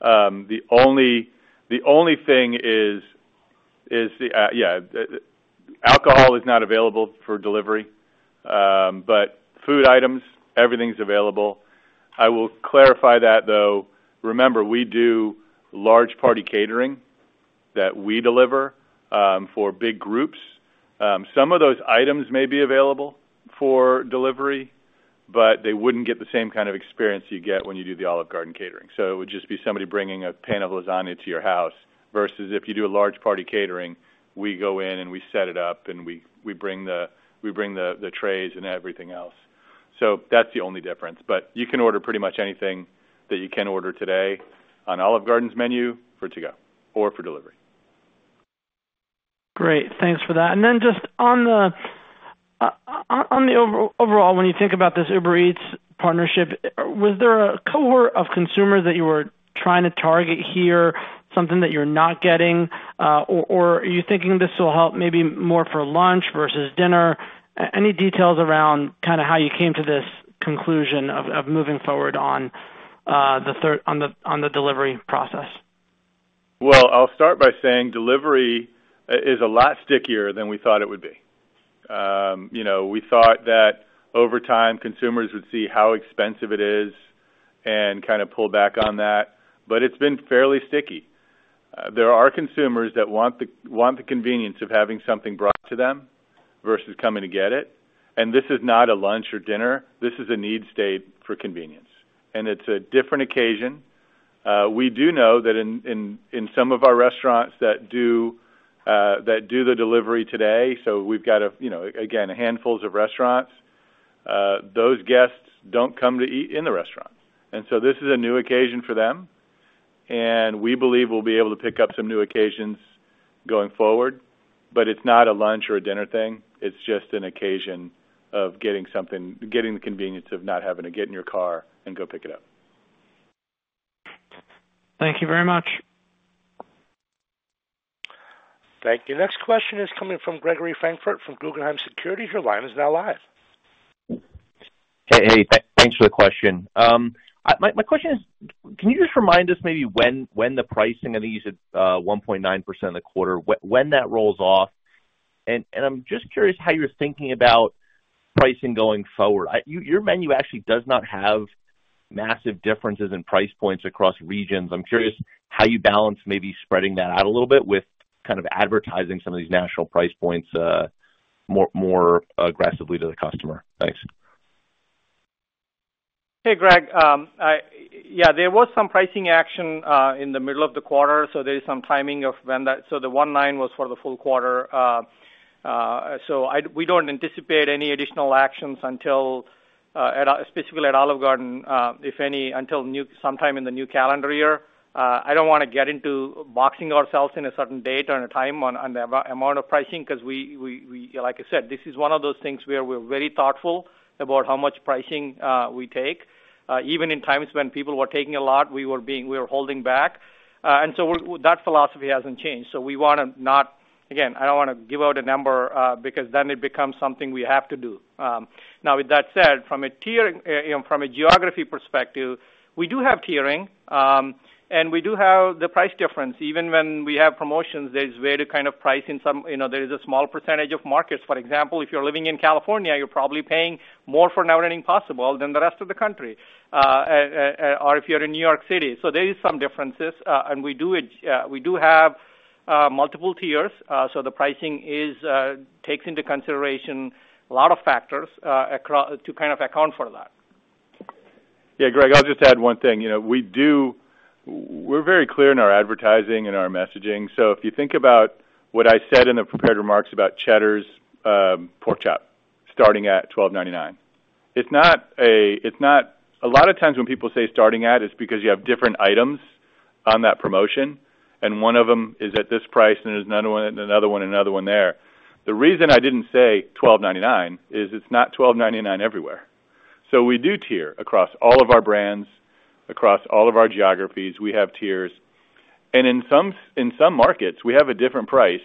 The only thing is the alcohol is not available for delivery, but food items, everything's available. I will clarify that, though. Remember, we do large party catering that we deliver for big groups. Some of those items may be available for delivery, but they wouldn't get the same kind of experience you get when you do the Olive Garden catering. It would just be somebody bringing a pan of lasagna to your house, versus if you do a large party catering, we go in and we set it up, and we bring the trays and everything else. That's the only difference. But you can order pretty much anything that you can order today on Olive Garden's menu for to-go or for delivery. Great, thanks for that. And then just on the overall, when you think about this Uber Eats partnership, was there a cohort of consumers that you were trying to target here, something that you're not getting? Or, are you thinking this will help maybe more for lunch versus dinner? Any details around kind of how you came to this conclusion of moving forward on the third- on the delivery process? I'll start by saying delivery is a lot stickier than we thought it would be. You know, we thought that over time, consumers would see how expensive it is and kind of pull back on that, but it's been fairly sticky. There are consumers that want the convenience of having something brought to them versus coming to get it, and this is not a lunch or dinner. This is a need state for convenience, and it's a different occasion. We do know that in some of our restaurants that do the delivery today, so we've got a handful of restaurants, those guests don't come to eat in the restaurant, and so this is a new occasion for them, and we believe we'll be able to pick up some new occasions going forward. But it's not a lunch or a dinner thing. It's just an occasion of getting something, getting the convenience of not having to get in your car and go pick it up. Thank you very much. Thank you. Next question is coming from Gregory Francfort from Guggenheim Securities. Your line is now live. Hey, thanks for the question. My question is, can you just remind us maybe when the pricing, I think you said, 1.9% of the quarter, when that rolls off? And I'm just curious how you're thinking about pricing going forward. Actually, your menu does not have massive differences in price points across regions. I'm curious how you balance maybe spreading that out a little bit with kind of advertising some of these national price points more aggressively to the customer. Thanks. Hey, Greg. Yeah, there was some pricing action in the middle of the quarter, so there is some timing of when that. So the one nine was for the full quarter. We don't anticipate any additional actions until, specifically at Olive Garden, if any, until sometime in the new calendar year. I don't want to get into boxing ourselves in a certain date or a time on the amount of pricing, because we, like I said, this is one of those things where we're very thoughtful about how much pricing we take. Even in times when people were taking a lot, we were holding back. And so, that philosophy hasn't changed. So we want to not... Again, I don't want to give out a number, because then it becomes something we have to do. Now, with that said, from a tiering, you know, from a geography perspective, we do have tiering, and we do have the price difference. Even when we have promotions, there's way to kind of price in some, you know, there is a small percentage of markets. For example, if you're living in California, you're probably paying more for Never Ending Pasta Bowl than the rest of the country, or if you're in New York City. So there is some differences, and we do it, we do have multiple tiers. So the pricing is, takes into consideration a lot of factors, across to kind of account for that. Yeah, Greg, I'll just add one thing. You know, we do. We're very clear in our advertising and our messaging. So if you think about what I said in the prepared remarks about Cheddar's pork chop, starting at $12.99, it's not. A lot of times when people say, "Starting at," it's because you have different items on that promotion, and one of them is at this price, and there's another one, and another one, another one there. The reason I didn't say $12.99 is it's not $12.99 everywhere. So we do tier across all of our brands, across all of our geographies, we have tiers. In some markets, we have a different price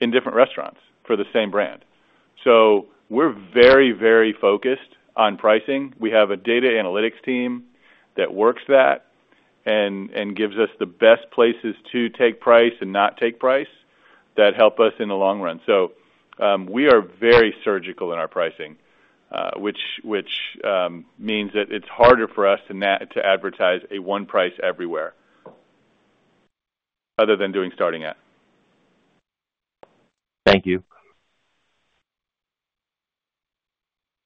in different restaurants for the same brand. So we're very, very focused on pricing. We have a data analytics team that works that and gives us the best places to take price and not take price that help us in the long run. So, we are very surgical in our pricing, which means that it's harder for us to advertise a one price everywhere other than doing starting at. Thank you.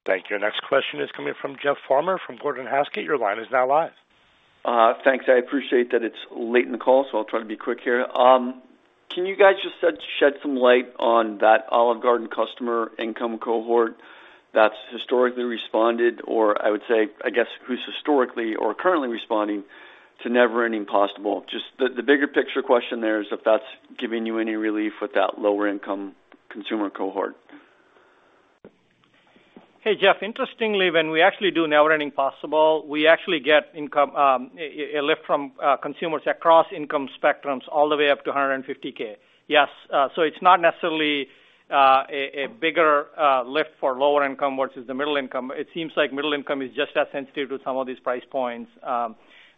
Thank you. Next question is coming from Jeff Farmer from Gordon Haskett. Your line is now live. Thanks. I appreciate that it's late in the call, so I'll try to be quick here. Can you guys just shed some light on that Olive Garden customer income cohort that's historically responded, or I would say, I guess, who's historically or currently responding to Never Ending Pasta Bowl? Just the bigger picture question there is if that's giving you any relief with that lower income consumer cohort. Hey, Jeff. Interestingly, when we actually do Never Ending Pasta Bowl, we actually get income, a lift from consumers across income spectrums all the way up to a hundred and fifty K. Yes, so it's not necessarily a bigger lift for lower income versus the middle income. It seems like middle income is just as sensitive to some of these price points.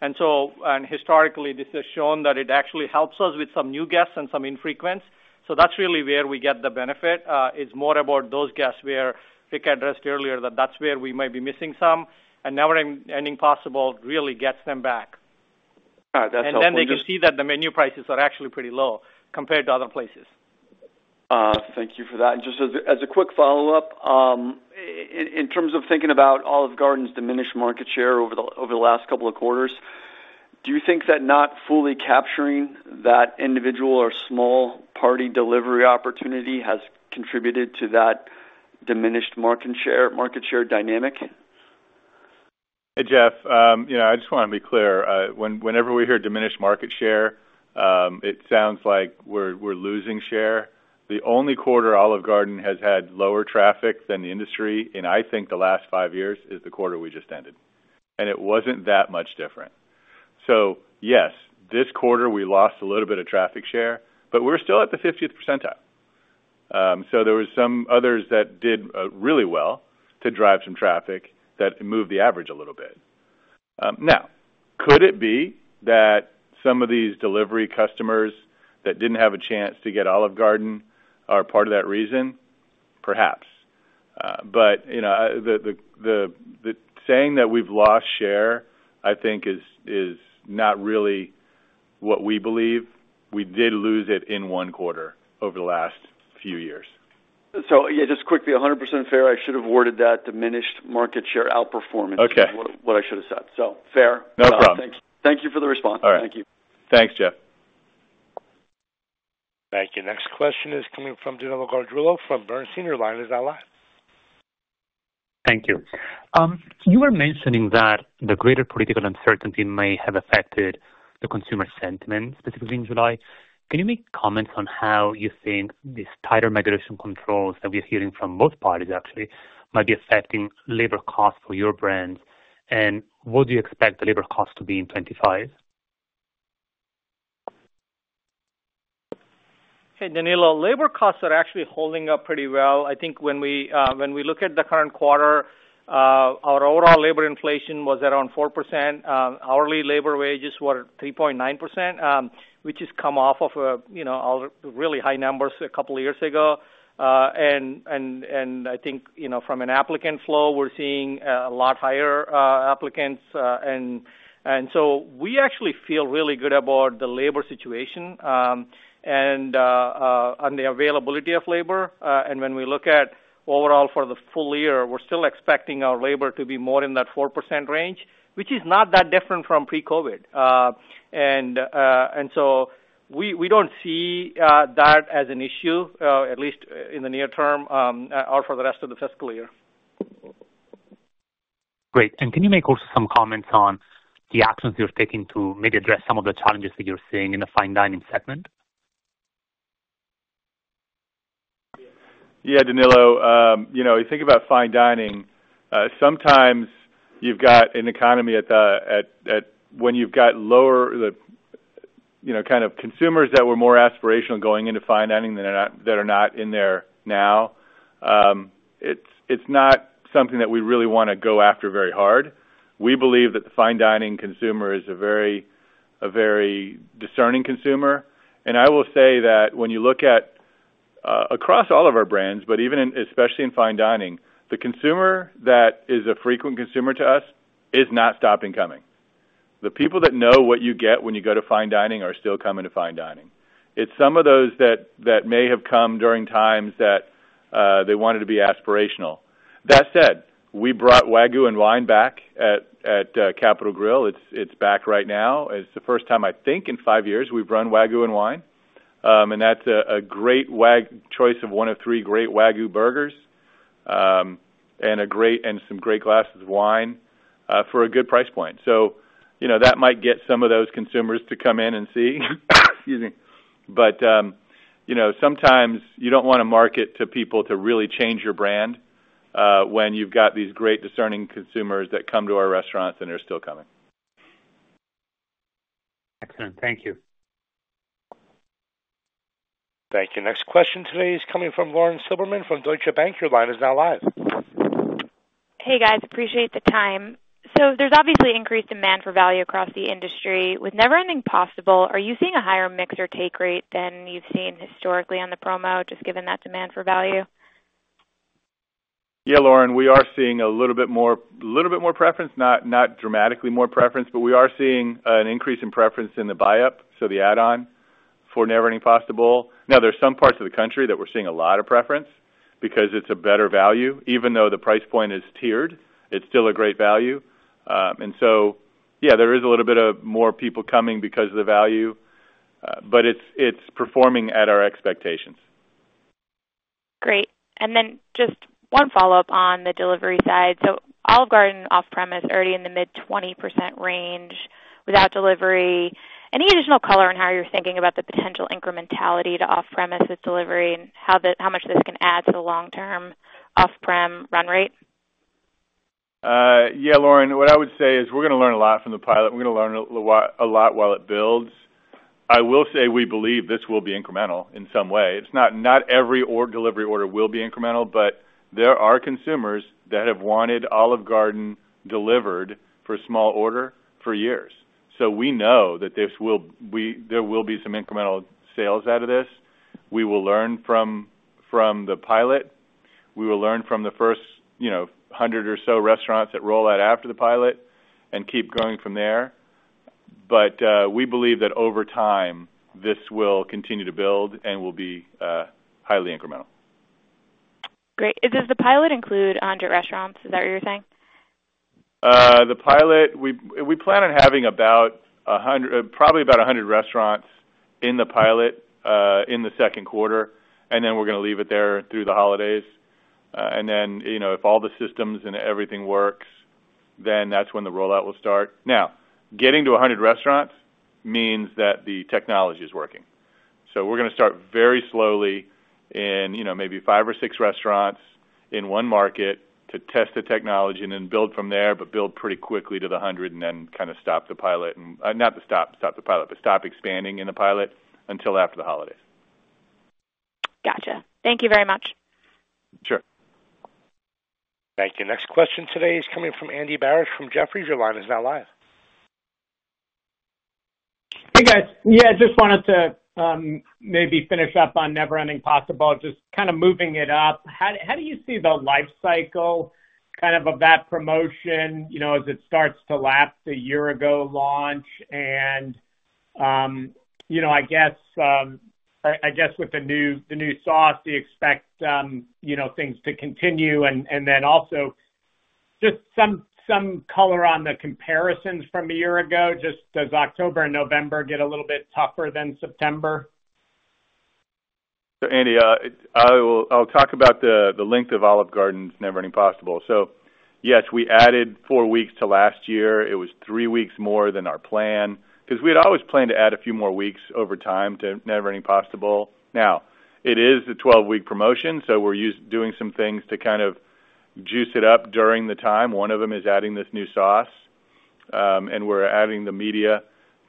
And so, and historically, this has shown that it actually helps us with some new guests and some infrequents. So that's really where we get the benefit. It's more about those guests where Rick addressed earlier, that that's where we might be missing some, and Never Ending Pasta Bowl really gets them back. All right. That's helpful. And then they can see that the menu prices are actually pretty low compared to other places. Thank you for that. And just as a quick follow-up, in terms of thinking about Olive Garden's diminished market share over the last couple of quarters, do you think that not fully capturing that individual or small party delivery opportunity has contributed to that diminished market share, market share dynamic? Hey, Jeff. You know, I just want to be clear, whenever we hear diminished market share, it sounds like we're losing share. The only quarter Olive Garden has had lower traffic than the industry, and I think the last five years, is the quarter we just ended, and it wasn't that much different. So yes, this quarter, we lost a little bit of traffic share, but we're still at the fiftieth percentile. So there were some others that did really well to drive some traffic that moved the average a little bit. Now, could it be that some of these delivery customers that didn't have a chance to get Olive Garden are part of that reason? Perhaps. But, you know, the saying that we've lost share, I think, is not really what we believe. We did lose it in one quarter over the last few years. So, yeah, just quickly, 100% fair. I should have worded that diminished market share outperformance- Okay. is what I should have said. So fair. No problem. Thank you, thank you for the response. All right. Thank you. Thanks, Jeff. Thank you. Next question is coming from Danilo Gargiulo from Bernstein. Your line is now live. Thank you. You were mentioning that the greater political uncertainty may have affected the consumer sentiment, specifically in July. Can you make comments on how you think these tighter migration controls that we're hearing from both parties actually might be affecting labor costs for your brands? And what do you expect the labor costs to be in 2025? Hey, Danilo. Labor costs are actually holding up pretty well. I think when we look at the current quarter, our overall labor inflation was around 4%. Hourly labor wages were 3.9%, which has come off of a, you know, a really high numbers a couple of years ago. And I think, you know, from an applicant flow, we're seeing a lot higher applicants. And so we actually feel really good about the labor situation, and on the availability of labor. And when we look at overall for the full year, we're still expecting our labor to be more in that 4% range, which is not that different from pre-COVID. And so we don't see that as an issue, at least in the near term, or for the rest of the fiscal year. Great, and can you make also some comments on the actions you're taking to maybe address some of the challenges that you're seeing in the fine dining segment? Yeah, Danilo, you know, you think about fine dining, sometimes you've got an economy. When you've got lower, the, you know, kind of consumers that were more aspirational going into fine dining than that are not in there now, it's not something that we really wanna go after very hard. We believe that the fine dining consumer is a very discerning consumer. And I will say that when you look at across all of our brands, but even in, especially in fine dining, the consumer that is a frequent consumer to us is not stopping coming. The people that know what you get when you go to fine dining are still coming to fine dining. It's some of those that may have come during times that they wanted to be aspirational. That said, we brought Wagyu and Wine back at Capital Grille. It's back right now. It's the first time, I think, in five years we've run Wagyu and Wine. And that's a great choice of one of three great Wagyu burgers, and some great glasses of wine, for a good price point. So, you know, that might get some of those consumers to come in and see. Excuse me. But, you know, sometimes you don't want to market to people to really change your brand, when you've got these great discerning consumers that come to our restaurants, and they're still coming. Excellent. Thank you. Thank you. Next question today is coming from Lauren Silberman from Deutsche Bank. Your line is now live. Hey, guys. Appreciate the time. So there's obviously increased demand for value across the industry. With Never Ending Pasta Bowl, are you seeing a higher mix or take rate than you've seen historically on the promo, just given that demand for value? Yeah, Lauren, we are seeing a little bit more, little bit more preference, not, not dramatically more preference, but we are seeing an increase in preference in the buy-up, so the add-on for Never Ending Pasta Bowl. Now, there are some parts of the country that we're seeing a lot of preference because it's a better value. Even though the price point is tiered, it's still a great value. And so, yeah, there is a little bit of more people coming because of the value, but it's, it's performing at our expectations. Great. And then just one follow-up on the delivery side. So Olive Garden off-premise, already in the mid-20% range without delivery. Any additional color on how you're thinking about the potential incrementality to off-premises delivery and how much this can add to the long-term off-prem run rate? Yeah, Lauren, what I would say is we're gonna learn a lot from the pilot. We're gonna learn a lot, a lot while it builds. I will say we believe this will be incremental in some way. It's not, not every third-party delivery order will be incremental, but there are consumers that have wanted Olive Garden delivered for a small order for years. So we know that this will be. There will be some incremental sales out of this. We will learn from the pilot. We will learn from the first, you know, hundred or so restaurants that roll out after the pilot and keep going from there. But we believe that over time, this will continue to build and will be highly incremental. Great. And does the pilot include, your restaurants? Is that what you're saying? The pilot, we plan on having about 100. Probably about 100 restaurants in the pilot, in the Q2, and then we're gonna leave it there through the holidays. Then, you know, if all the systems and everything works, then that's when the rollout will start. Now, getting to 100 restaurants means that the technology is working. So we're gonna start very slowly in, you know, maybe five or six restaurants in one market to test the technology and then build from there, but build pretty quickly to the 100 and then kind of stop the pilot and not to stop the pilot, but stop expanding in the pilot until after the holidays. Gotcha. Thank you very much. Sure. Thank you. Next question today is coming from Andy Barish from Jefferies. Your line is now live. Hey, guys. Yeah, I just wanted to maybe finish up on Never Ending Pasta Bowl, just kind of moving it up. How do you see the life cycle, kind of of that promotion, you know, as it starts to lapse a year ago launch? And, you know, I guess, I guess with the new, the new sauce, do you expect, you know, things to continue? And then also, just some color on the comparisons from a year ago, just does October and November get a little bit tougher than September? So Andy, I will, I'll talk about the length of Olive Garden's Never Ending Pasta Bowl. So yes, we added four weeks to last year. It was three weeks more than our plan, because we had always planned to add a few more weeks over time to Never Ending Pasta Bowl. Now, it is a twelve-week promotion, so we're doing some things to kind of juice it up during the time. One of them is adding this new sauce, and we're adding the media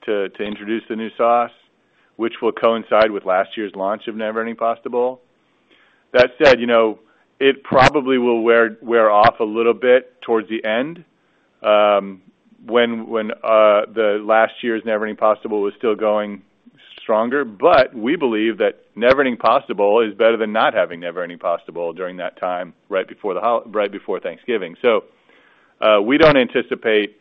to introduce the new sauce, which will coincide with last year's launch of Never Ending Pasta Bowl. That said, you know, it probably will wear off a little bit towards the end, when the last year's Never Ending Pasta Bowl was still going stronger. But we believe that Never Ending Pasta Bowl is better than not having Never Ending Pasta Bowl during that time right before Thanksgiving. So, we don't anticipate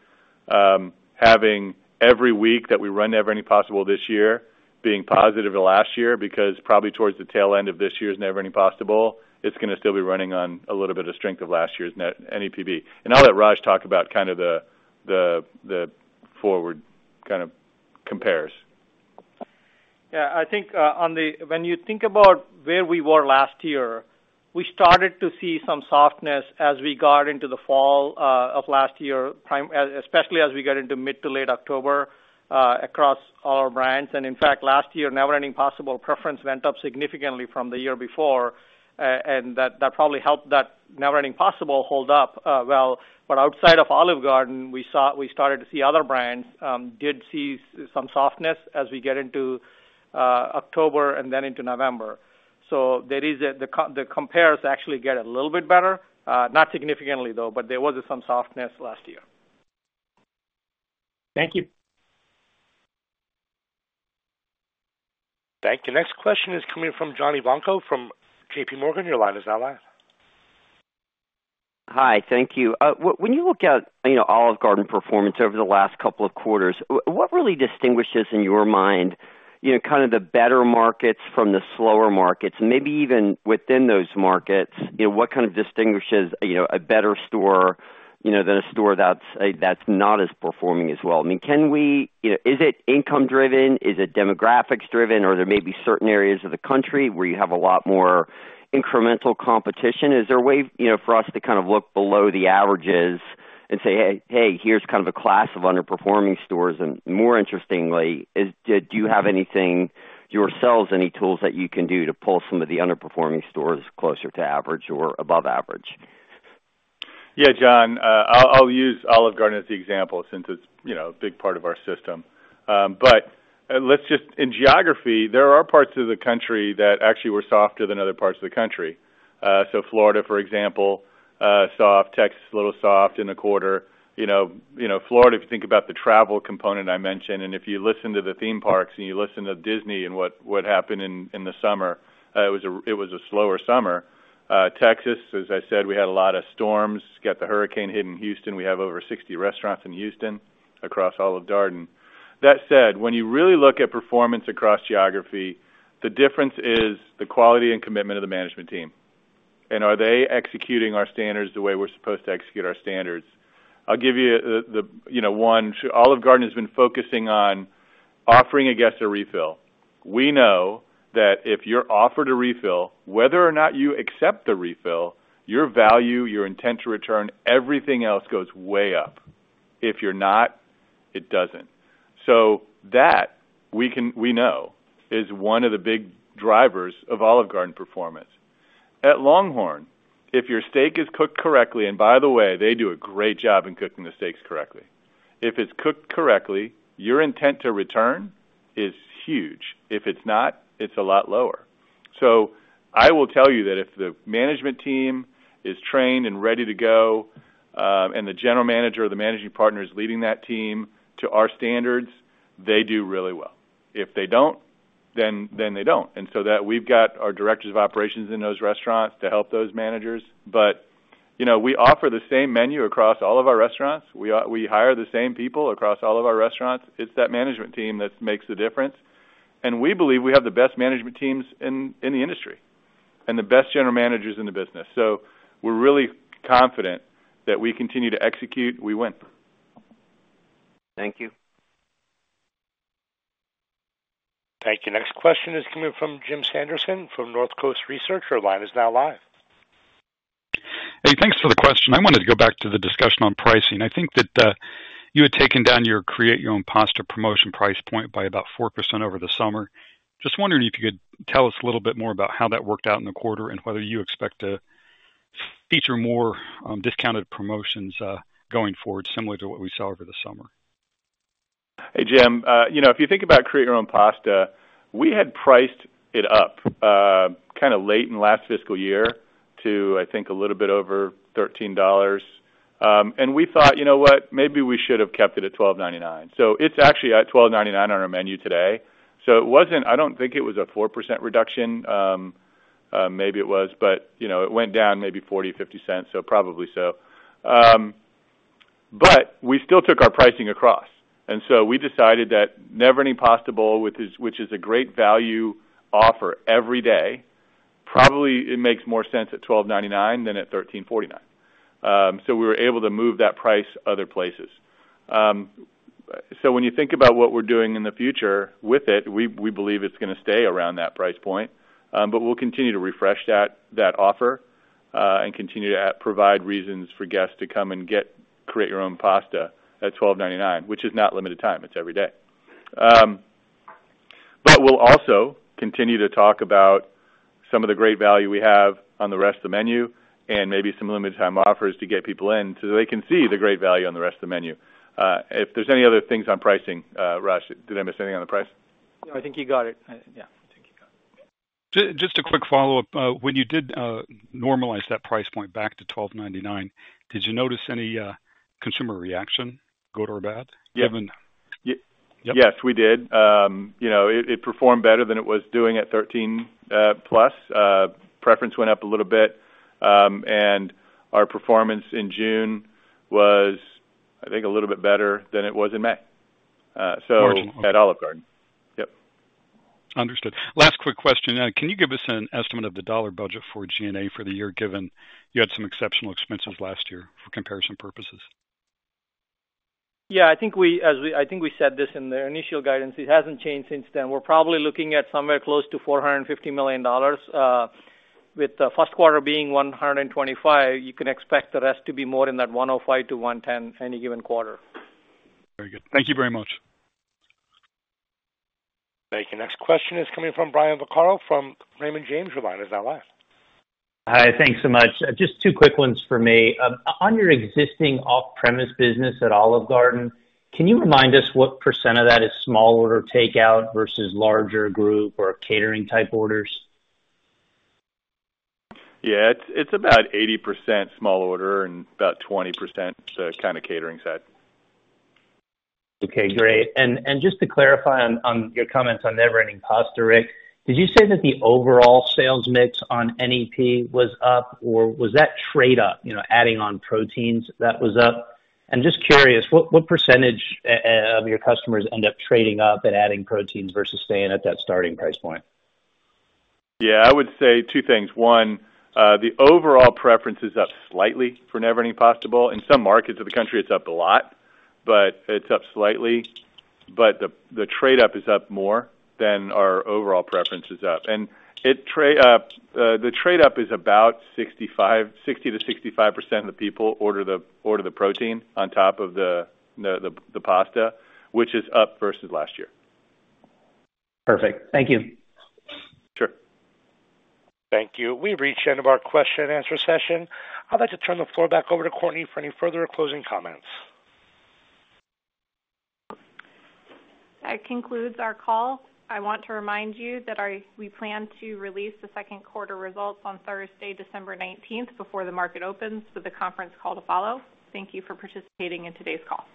having every week that we run Never Ending Pasta Bowl this year being positive the last year, because probably towards the tail end of this year's Never Ending Pasta Bowl, it's gonna still be running on a little bit of strength of last year's NEPB. And I'll let Raj talk about kind of the forward kind of compares. Yeah, I think, on the-- when you think about where we were last year, we started to see some softness as we got into the fall, of last year, primarily-- especially as we got into mid to late October, across all our brands. And in fact, last year, Never Ending Pasta Bowl preference went up significantly from the year before, and that, that probably helped that Never Ending Pasta Bowl hold up, well. But outside of Olive Garden, we saw-- we started to see other brands, did see some softness as we get into, October and then into November. So there is the compares actually get a little bit better, not significantly, though, but there was some softness last year. Thank you. Thank you. Next question is coming from John Ivanko from J.P. Morgan. Your line is now live. Hi, thank you. When you look at, you know, Olive Garden performance over the last couple of quarters, what really distinguishes in your mind, you know, kind of the better markets from the slower markets? And maybe even within those markets, you know, what kind of distinguishes, you know, a better store, you know, than a store that's that's not as performing as well? I mean, can we... You know, is it income driven? Is it demographics driven, or there may be certain areas of the country where you have a lot more incremental competition? Is there a way, you know, for us to kind of look below the averages and say, "Hey, hey, here's kind of a class of underperforming stores," and more interestingly, do you have anything yourselves, any tools that you can do to pull some of the underperforming stores closer to average or above average? Yeah, John, I'll use Olive Garden as the example, since it's, you know, a big part of our system. In geography, there are parts of the country that actually were softer than other parts of the country. Florida, for example, soft. Texas, a little soft in the quarter. You know, Florida, if you think about the travel component I mentioned, and if you listen to the theme parks, and you listen to Disney and what happened in the summer, it was a slower summer. Texas, as I said, we had a lot of storms. Got the hurricane hitting Houston. We have over 60 restaurants in Houston across Olive Garden. That said, when you really look at performance across geography, the difference is the quality and commitment of the management team, and are they executing our standards the way we're supposed to execute our standards? I'll give you the, you know, one. Olive Garden has been focusing on offering a guest a refill. We know that if you're offered a refill, whether or not you accept the refill, your value, your intent to return, everything else goes way up. If you're not, it doesn't. So that we know is one of the big drivers of Olive Garden performance. At LongHorn, if your steak is cooked correctly, and by the way, they do a great job in cooking the steaks correctly. If it's cooked correctly, your intent to return is huge. If it's not, it's a lot lower. So I will tell you that if the management team is trained and ready to go, and the general manager or the managing partner is leading that team to our standards, they do really well. If they don't, then they don't. And so that we've got our directors of operations in those restaurants to help those managers, but, you know, we offer the same menu across all of our restaurants. We hire the same people across all of our restaurants. It's that management team that makes the difference, and we believe we have the best management teams in the industry and the best general managers in the business. So we're really confident that we continue to execute, we win. Thank you. Thank you. Next question is coming from Jim Sanderson from North Coast Research. Your line is now live. Hey, thanks for the question. I wanted to go back to the discussion on pricing. I think that you had taken down your Create Your Own Pasta promotion price point by about 4% over the summer. Just wondering if you could tell us a little bit more about how that worked out in the quarter, and whether you expect to feature more discounted promotions going forward, similar to what we saw over the summer. Hey, Jim, you know, if you think about Create Your Own Pasta, we had priced it up, kind of late in last fiscal year to, I think, a little bit over $13. And we thought, you know what? Maybe we should have kept it at $12.99. So it's actually at $12.99 on our menu today. So it wasn't. I don't think it was a 4% reduction. Maybe it was, but, you know, it went down maybe $0.40-$0.50, so probably so. But we still took our pricing across, and so we decided that Never Ending Pasta Bowl, which is a great value offer every day, probably it makes more sense at $12.99 than at $13.49. So we were able to move that price other places. So when you think about what we're doing in the future with it, we believe it's gonna stay around that price point. But we'll continue to refresh that offer and continue to provide reasons for guests to come and get Create Your Own Pasta at $12.99, which is not limited time, it's every day. But we'll also continue to talk about some of the great value we have on the rest of the menu and maybe some limited time offers to get people in, so they can see the great value on the rest of the menu. If there's any other things on pricing, Raj, did I miss anything on the price? I think you got it. Yeah, I think you got it. Just a quick follow-up. When you did normalize that price point back to $12.99, did you notice any consumer reaction, good or bad, given- Yeah. Yep. Yes, we did. You know, it performed better than it was doing at thirteen plus. Preference went up a little bit, and our performance in June was, I think, a little bit better than it was in May. So- March. At Olive Garden. Yep. Understood. Last quick question. Can you give us an estimate of the dollar budget for G&A for the year, given you had some exceptional expenses last year for comparison purposes? Yeah, I think we said this in the initial guidance. It hasn't changed since then. We're probably looking at somewhere close to $450 million. With the Q1 being $125 million, you can expect the rest to be more in that 105 to 110, any given quarter. Very good. Thank you very much. Thank you. Next question is coming from Brian Vaccaro from Raymond James. Your line is now live. Hi, thanks so much. Just two quick ones for me. On your existing off-premise business at Olive Garden, can you remind us what percent of that is small order takeout versus larger group or catering type orders? Yeah, it's about 80% small order and about 20% the kind of catering side. Okay, great. And just to clarify on your comments on Never Ending Pasta, Rick, did you say that the overall sales mix on NEP was up, or was that trade-up, you know, adding on proteins that was up? And just curious, what percentage of your customers end up trading up and adding proteins versus staying at that starting price point? Yeah, I would say two things. One, the overall preference is up slightly for Never Ending Pasta Bowl. In some markets of the country, it's up a lot, but it's up slightly. But the trade up is up more than our overall preference is up, and the trade-up is about 60%-65% of the people order the protein on top of the pasta, which is up versus last year. Perfect. Thank you. Sure. Thank you. We've reached the end of our question and answer session. I'd like to turn the floor back over to Courtney for any further closing comments. That concludes our call. I want to remind you that we plan to release the Q2 results on Thursday, December nineteenth, before the market opens, with a conference call to follow. Thank you for participating in today's call.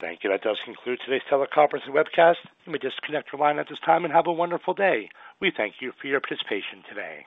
Thank you. That does conclude today's teleconference and webcast. You may disconnect your line at this time, and have a wonderful day. We thank you for your participation today.